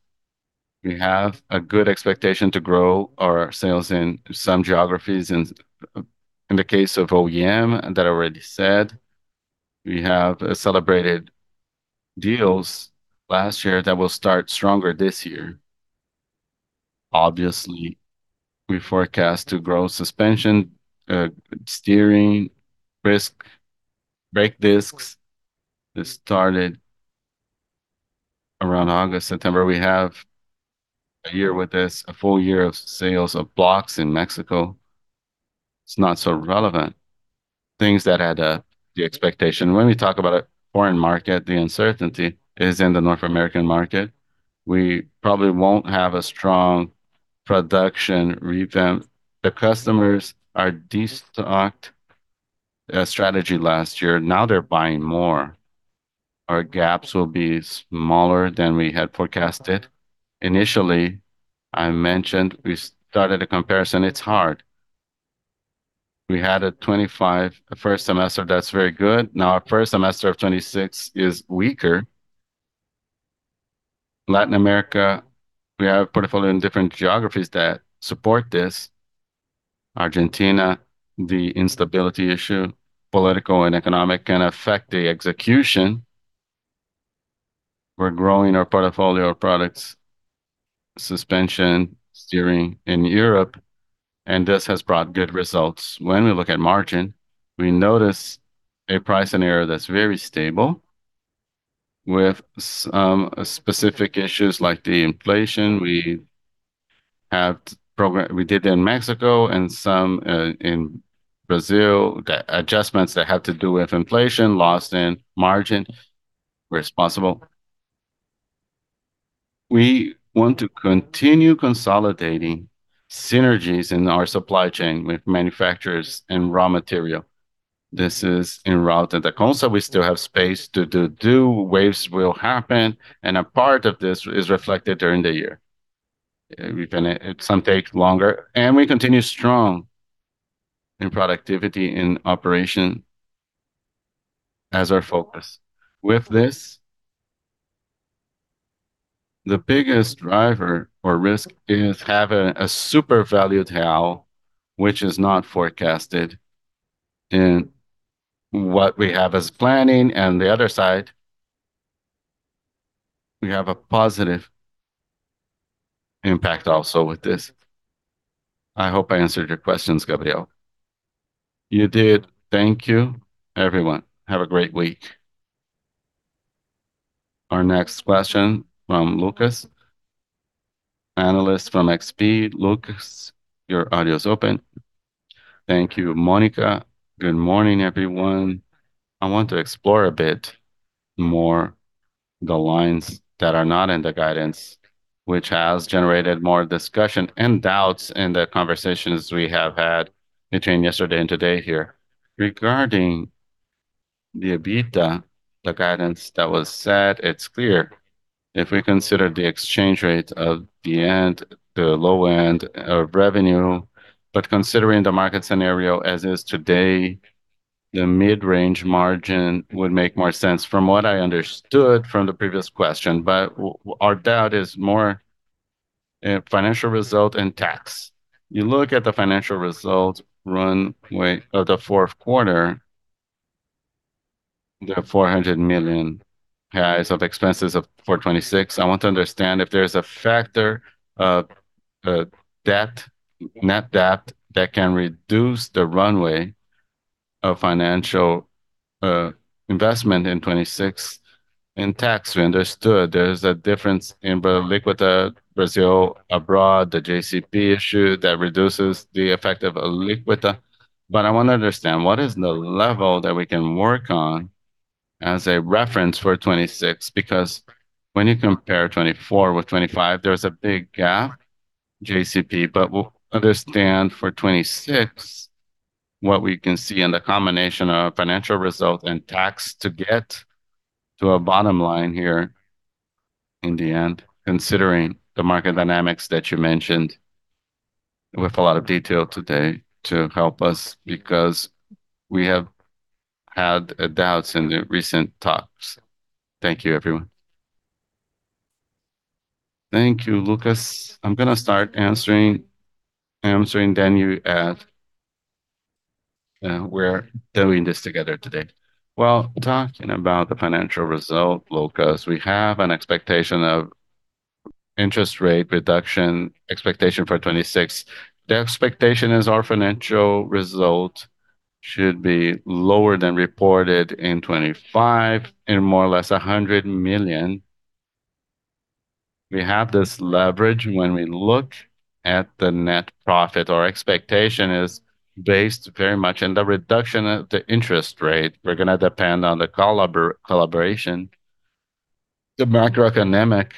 We have a good expectation to grow our sales in some geographies. In the case of OEM, and that I already said, we have celebrated deals last year that will start stronger this year. Obviously, we forecast to grow suspension, steering, brakes, brake discs that started around August, September. We have a year with this, a full year of sales of blocks in Mexico. It's not so relevant. Things that had the expectation. When we talk about a foreign market, the uncertainty is in the North American market. We probably won't have a strong production revamp. The customers are de-stocked strategy last year. Now they're buying more. Our gaps will be smaller than we had forecasted. Initially, I mentioned we started a comparison. It's hard. We had a 2025 first semester that's very good. Now, our first semester of 2026 is weaker. Latin America, we have a portfolio in different geographies that support this. Argentina, the instability issue, political and economic, can affect the execution. We're growing our portfolio of products, suspension, steering in Europe, and this has brought good results. When we look at margin, we notice a pricing in there that's very stable. With some specific issues like the inflation, we did in Mexico and some in Brazil, the adjustments that have to do with inflation loss in margin where it's possible. We want to continue consolidating synergies in our supply chain with manufacturers and raw material. This is en route. At Dacomsa, we still have space to do. Waves will happen, and a part of this is reflected during the year. Some take longer, and we continue strong in productivity, in operation as our focus. With this, the biggest driver or risk is having a super value tail, which is not forecasted in what we have as planning. On the other side, we have a positive impact also with this. I hope I answered your questions, Gabriel. You did. Thank you, everyone. Have a great week. Our next question from Lucas, analyst from XP. Lucas, your audio is open. Thank you, Monica. Good morning, everyone. I want to explore a bit more the lines that are not in the guidance, which has generated more discussion and doubts in the conversations we have had between yesterday and today here. Regarding the EBITDA, the guidance that was set, it's clear if we consider the exchange rate at the end, the low end of revenue. Considering the market scenario as is today, the mid-range margin would make more sense from what I understood from the previous question. Our doubt is more in financial result and tax. You look at the financial results runway of the fourth quarter, the 400 million of expenses for 2026. I want to understand if there is a factor of debt, net debt that can reduce the runway of financial investment in 2026. In tax, we understood there is a difference in the alíquota Brazil abroad, the JCP issue that reduces the effect of a alíquota. I want to understand what is the level that we can work on as a reference for 2026, because when you compare 2024 with 2025, there is a big gap, JCP. We'll understand for 2026 what we can see in the combination of financial result and tax to get to a bottom line here in the end, considering the market dynamics that you mentioned with a lot of detail today to help us because we have had doubts in the recent talks. Thank you, everyone. Thank you, Lucas. I'm gonna start answering then you add. We're doing this together today. Well, talking about the financial result, Lucas, we have an expectation of interest rate reduction expectation for 2026. The expectation is our financial result should be lower than reported in 2025 in more or less 100 million. We have this leverage when we look at the net profit. Our expectation is based very much in the reduction of the interest rate. We're gonna depend on the collaboration, the macroeconomic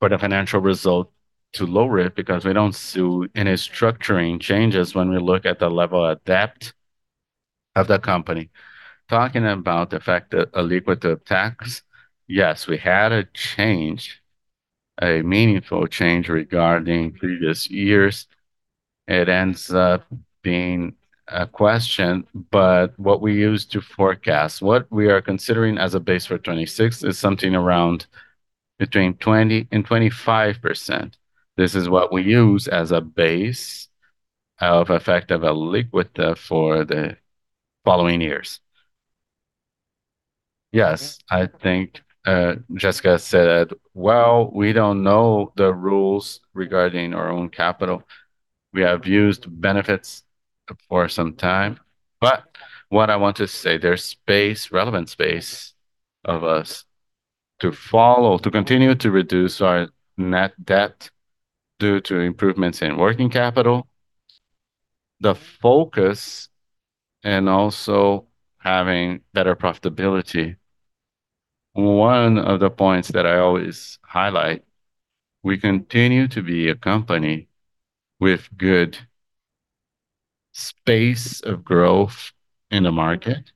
for the financial result to lower it because we don't see any structuring changes when we look at the level of debt of the company. Talking about the effect of a alíquota tax, yes, we had a change, a meaningful change regarding previous years. It ends up being a question, but what we use to forecast, what we are considering as a base for 2026 is something around between 20% and 25%. This is what we use as a base of effect of a alíquota for the following years. Yes, I think, Jessica said. Well, we don't know the rules regarding our own capital. We have used benefits for some time. What I want to say, there's space, relevant space for us to follow, to continue to reduce our net debt due to improvements in working capital, the focus, and also having better profitability. One of the points that I always highlight, we continue to be a company with good space of growth in the market.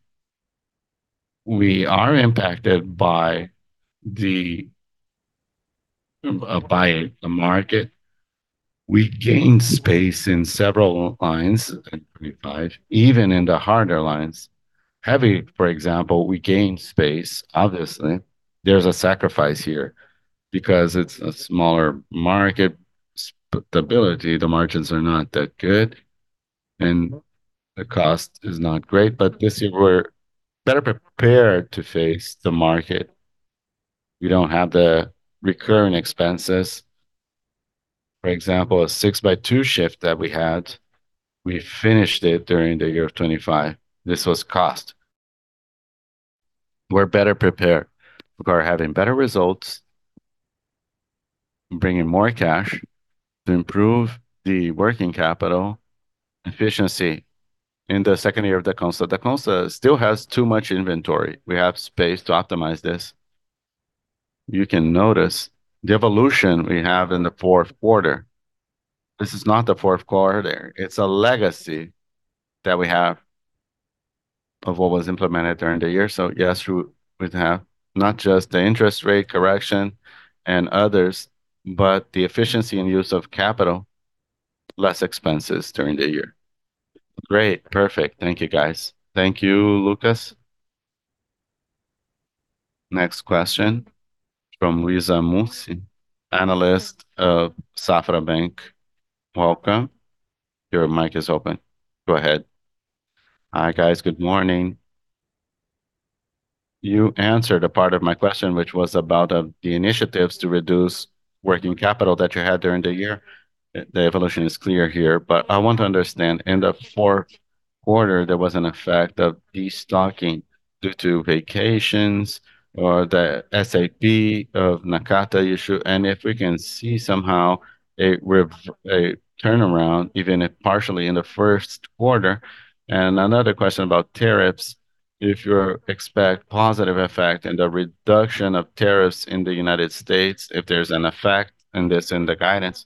We are impacted by the market. We gained space in several lines in 2025, even in the harder lines. Heavy, for example, we gained space. Obviously, there's a sacrifice here because it's a smaller market stability. The margins are not that good, and the cost is not great. This year, we're better prepared to face the market. We don't have the recurring expenses. For example, a six-by-two shift that we had, we finished it during the year of 2025. This was cost. We're better prepared. We are having better results, bringing more cash to improve the working capital efficiency. In the second year of Dacomsa still has too much inventory. We have space to optimize this. You can notice the evolution we have in the fourth quarter. This is not the fourth quarter, it's a legacy that we have of what was implemented during the year. Yes, we have not just the interest rate correction and others, but the efficiency and use of capital, less expenses during the year. Great. Perfect. Thank you, guys. Thank you, Lucas. Next question from Luiza Mussi, analyst of Banco Safra. Welcome. Your mic is open. Go ahead. Hi, guys. Good morning. You answered a part of my question, which was about the initiatives to reduce working capital that you had during the year. The evolution is clear here, but I want to understand, in the fourth quarter, there was an effect of destocking due to vacations or the SAP of Nakata issue, and if we can see somehow a turnaround, even if partially in the first quarter. Another question about tariffs, if you expect positive effect in the reduction of tariffs in the United States, if there's an effect in this in the guidance,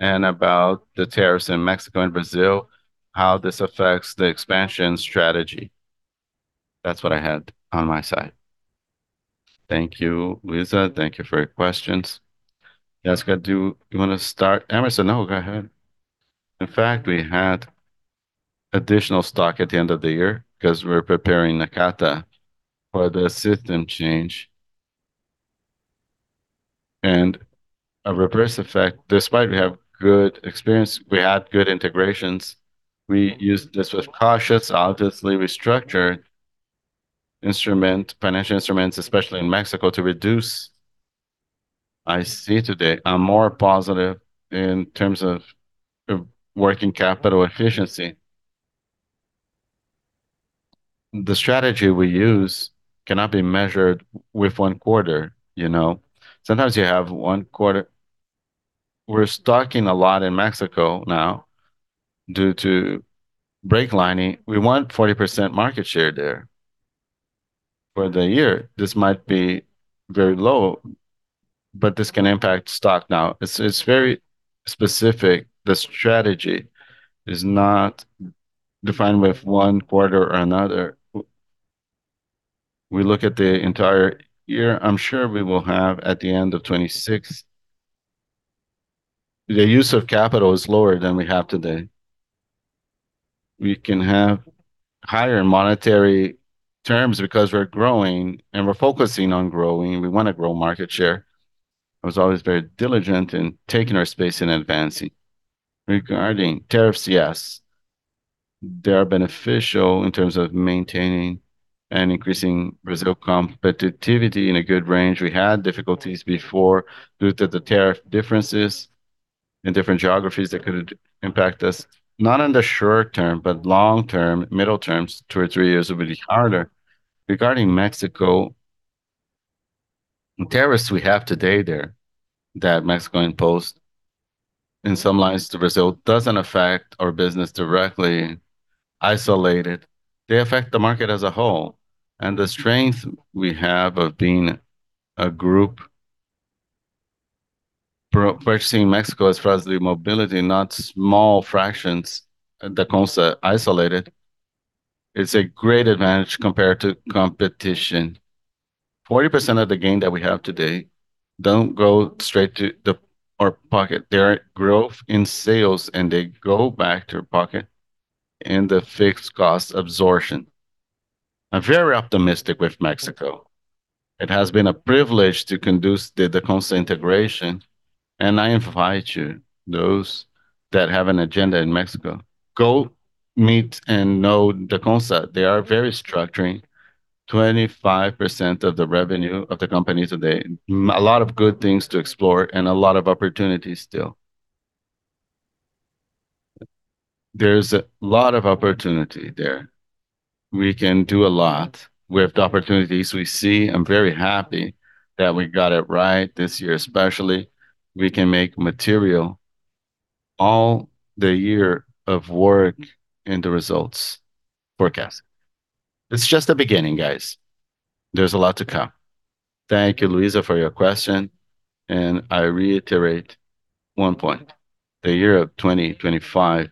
and about the tariffs in Mexico and Brazil, how this affects the expansion strategy. That's what I had on my side. Thank you, Luiza. Thank you for your questions. Jessica, do you wanna start? Hemerson, no, go ahead. In fact, we had additional stock at the end of the year 'cause we're preparing Nakata for the system change. A reverse effect, despite we have good experience, we had good integrations. We used this with caution, obviously, restructuring instruments, financial instruments, especially in Mexico, to reduce. I see today I'm more positive in terms of working capital efficiency. The strategy we use cannot be measured with one quarter, you know. Sometimes you have one quarter. We're stocking a lot in Mexico now due to brake lining. We want 40% market share there for the year. This might be very low, but this can impact stock now. It's very specific. The strategy is not defined with one quarter or another. We look at the entire year. I'm sure we will have, at the end of 2026, the use of capital lower than we have today. We can have higher monetary terms because we're growing, and we're focusing on growing, and we wanna grow market share. I was always very diligent in taking our space and advancing. Regarding tariffs, yes. They are beneficial in terms of maintaining and increasing Brazil's competitiveness in a good range. We had difficulties before due to the tariff differences in different geographies that could impact us, not in the short term, but long term, medium term. Two or three years will be harder. Regarding Mexico, tariffs we have today there that Mexico imposed in some lines to Brazil doesn't affect our business directly, isolated. They affect the market as a whole, and the strength we have of being a group purchasing Mexico as far as the mobility, not small fractions at the concept, isolated. It's a great advantage compared to competition. 40% of the gain that we have today don't go straight to our pocket. They're growth in sales, and they go back to pocket in the fixed cost absorption. I'm very optimistic with Mexico. It has been a privilege to conduct the Dacomsa integration, and I invite you, those that have an agenda in Mexico, go meet and know Dacomsa. They are very structural 25% of the revenue of the company today. M&A. A lot of good things to explore and a lot of opportunities still. There's a lot of opportunity there. We can do a lot with the opportunities we see. I'm very happy that we got it right this year, especially we can materialize all the year of work and the results forecast. It's just the beginning, guys. There's a lot to come. Thank you, Luiza, for your question, and I reiterate one point. The year of 2025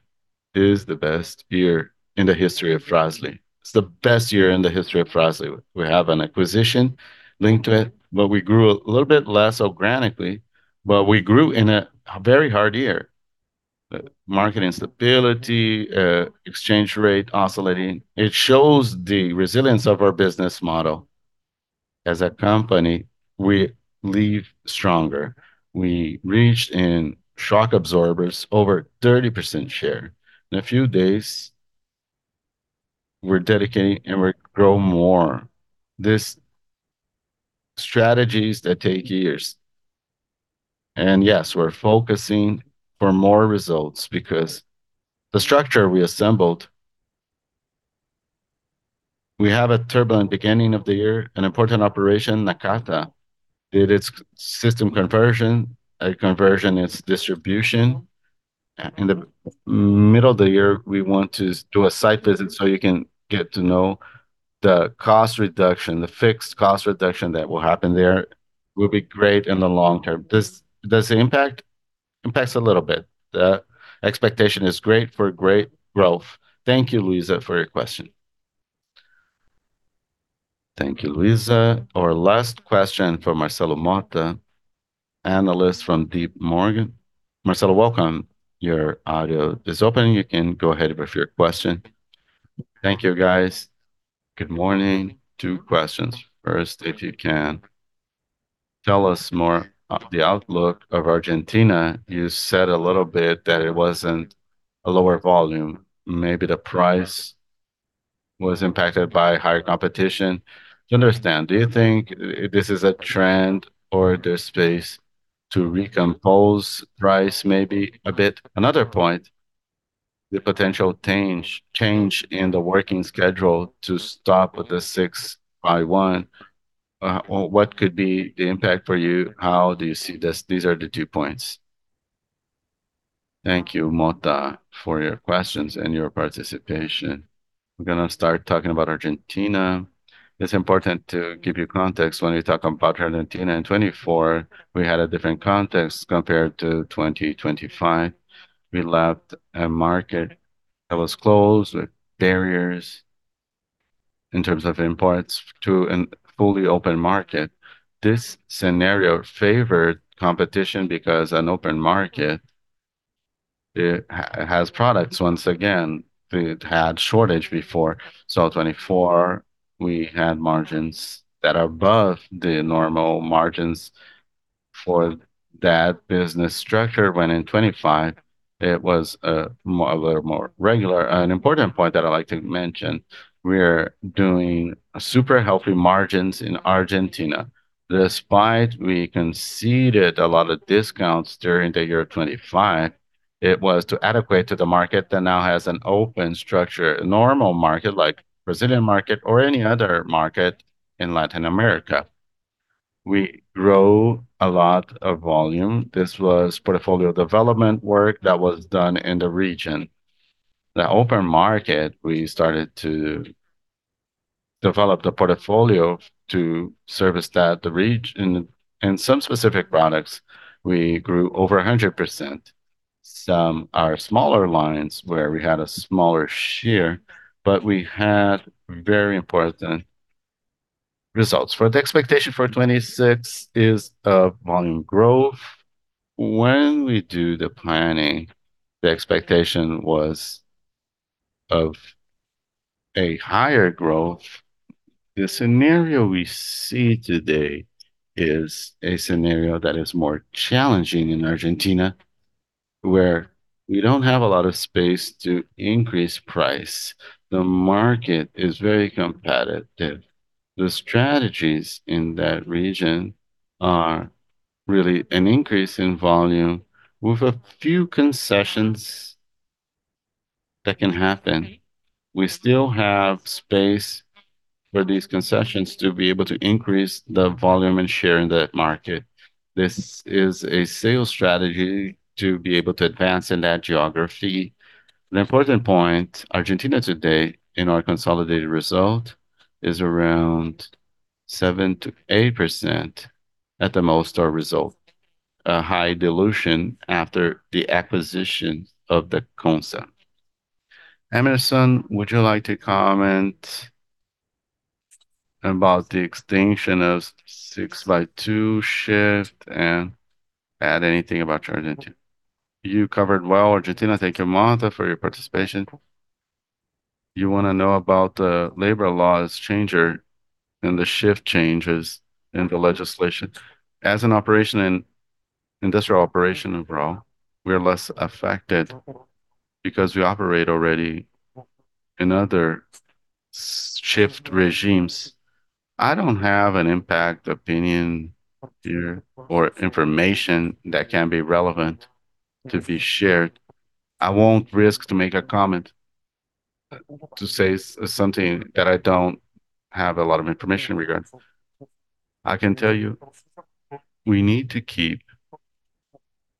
is the best year in the history of Fras-le. It's the best year in the history of Fras-le. We have an acquisition linked to it, but we grew a little bit less organically, but we grew in a very hard year. The market instability, exchange rate oscillating. It shows the resilience of our business model. As a company, we leave stronger. We reached in shock absorbers over 30% share. In a few days, we're dedicating and we're grow more. This strategies that take years. Yes, we're focusing for more results because the structure we assembled. We have a turbulent beginning of the year. An important operation, Nakata, did its system conversion. A conversion is distribution. In the middle of the year, we want to do a site visit so you can get to know the cost reduction. The fixed cost reduction that will happen there will be great in the long term. Does it impact? Impacts a little bit. The expectation is great for great growth. Thank you, Luiza, for your question. Thank you, Luiza. Our last question from Marcelo Mota, analyst from J.P. Morgan. Marcelo, welcome. Your audio is open. You can go ahead with your question. Thank you, guys. Good morning. Two questions. First, if you can tell us more of the outlook of Argentina, you said a little bit that it wasn't a lower volume. Maybe the price was impacted by higher competition to understand. Do you think this is a trend or the space to recompose price maybe a bit? Another point, the potential change in the working schedule to stop with the six by one, or what could be the impact for you? How do you see this? These are the two points. Thank you, Mota, for your questions and your participation. I'm gonna start talking about Argentina. It's important to give you context when we talk about Argentina. In 2024 we had a different context compared to 2025. We left a market that was closed with barriers in terms of imports to a fully open market. This scenario favored competition because an open market, it has products once again. It had shortage before. 2024 we had margins that are above the normal margins for that business structure. When in 2025 it was a little more regular. An important point that I'd like to mention, we're doing super healthy margins in Argentina. Despite we conceded a lot of discounts during the year of 2025, it was to adapt to the market that now has an open structure, a normal market like Brazilian market or any other market in Latin America. We grow a lot of volume. This was portfolio development work that was done in the region. The open market, we started to develop the portfolio to service that, the region. In some specific products, we grew over 100%. Some are smaller lines where we had a smaller share, but we had very important results. For the expectation for 2026 is a volume growth. When we do the planning, the expectation was of a higher growth. The scenario we see today is a scenario that is more challenging in Argentina, where we don't have a lot of space to increase price. The market is very competitive. The strategies in that region are really an increase in volume with a few concessions that can happen. We still have space for these concessions to be able to increase the volume and share in the market. This is a sales strategy to be able to advance in that geography. An important point, Argentina today in our consolidated result is around 7%-8% at the most our result. A high dilution after the acquisition of the concept. Hemerson, would you like to comment about the extension of six by two shift and add anything about Argentina? You covered well, Argentina. Thank you, Mota, for your participation. You wanna know about the labor laws changes and the shift changes in the legislation. As an operation in, industrial operation overall, we are less affected because we operate already in other shift regimes. I don't have an impact opinion here or information that can be relevant to be shared. I won't risk to make a comment to say something that I don't have a lot of information regarding. I can tell you, we need to keep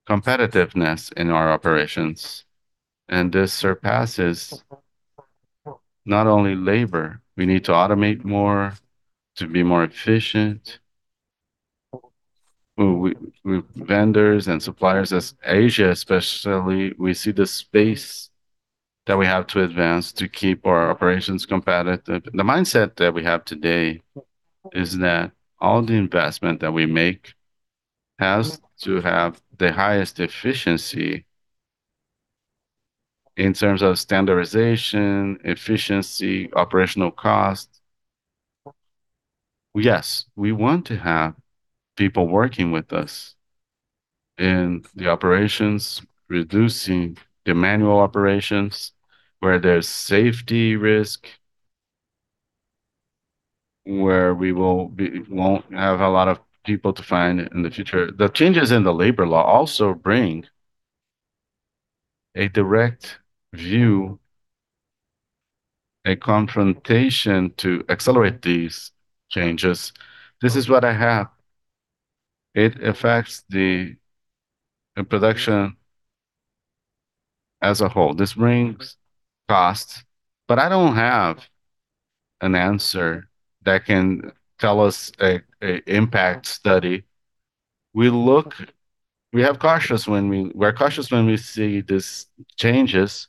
competitiveness in our operations, and this surpasses not only labor. We need to automate more to be more efficient. Vendors and suppliers in Asia, especially, we see the space that we have to advance to keep our operations competitive. The mindset that we have today is that all the investment that we make has to have the highest efficiency in terms of standardization, efficiency, operational cost. Yes, we want to have people working with us in the operations, reducing the manual operations where there's safety risk, where we won't have a lot of people to find in the future. The changes in the labor law also bring a direct view, a confrontation to accelerate these changes. This is what I have. It affects the production as a whole. This brings costs, but I don't have an answer that can tell us an impact study. We're cautious when we see these changes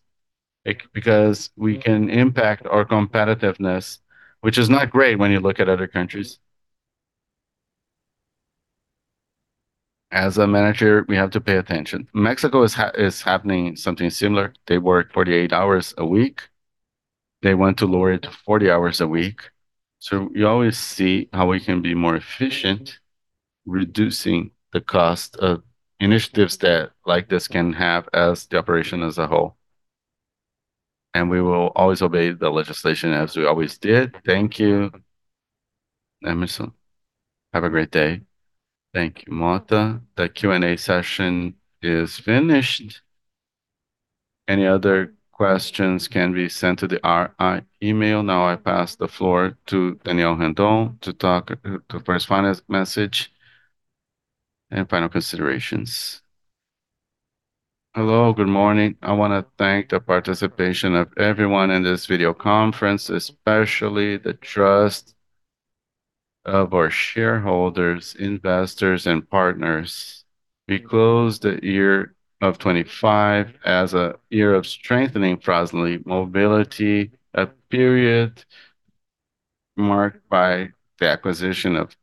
because we can impact our competitiveness, which is not great when you look at other countries. As a manager, we have to pay attention. Mexico is happening something similar. They work 48 hours a week. They want to lower it to 40 hours a week. We always see how we can be more efficient, reducing the cost of initiatives like this can have as the operation as a whole. We will always obey the legislation as we always did. Thank you, Hemerson. Have a great day. Thank you, Mota. The Q&A session is finished. Any other questions can be sent to the RI email. Now, I pass the floor to Daniel Randon to talk the first final message and final considerations. Hello, good morning. I wanna thank the participation of everyone in this video conference, especially the trust of our shareholders, investors, and partners. We closed the year 2025 as a year of strengthening Frasle Mobility, a period marked by the acquisition of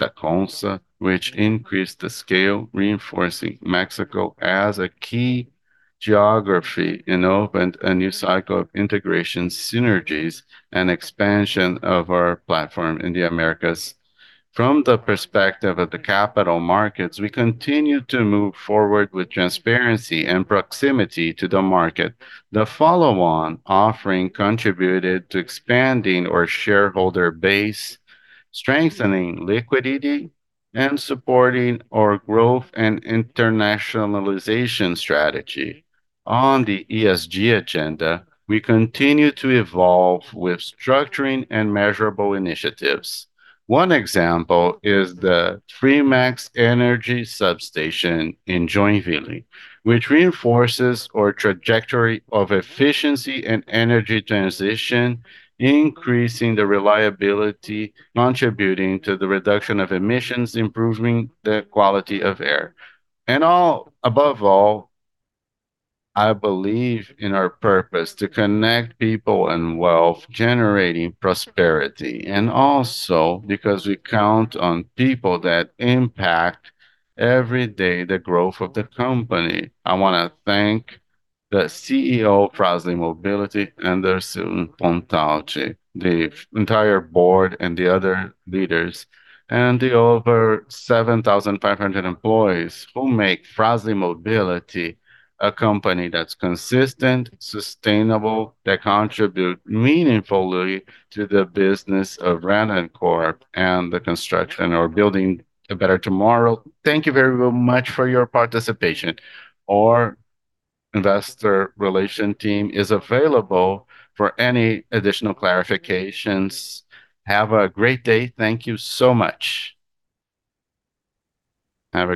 the Dacomsa, which increased the scale, reinforcing Mexico as a key geography and opened a new cycle of integration synergies and expansion of our platform in the Americas. From the perspective of the capital markets, we continue to move forward with transparency and proximity to the market. The follow-on offering contributed to expanding our shareholder base, strengthening liquidity, and supporting our growth and internationalization strategy. On the ESG agenda, we continue to evolve with structuring and measurable initiatives. One example is the Fremax Energy Substation in Joinville, which reinforces our trajectory of efficiency and energy transition, increasing the reliability, contributing to the reduction of emissions, improving the quality of air. Above all, I believe in our purpose to connect people and wealth, generating prosperity, and also because we count on people that impact every day the growth of the company. I wanna thank the CEO of Frasle Mobility, Anderson Pontalti, the entire board and the other leaders, and the over 7,500 employees who make Fras-le Mobility a company that's consistent, sustainable, that contribute meaningfully to the business of Randoncorp and the construction or building a better tomorrow. Thank you very much for your participation. Our investor relations team is available for any additional clarifications. Have a great day. Thank you so much.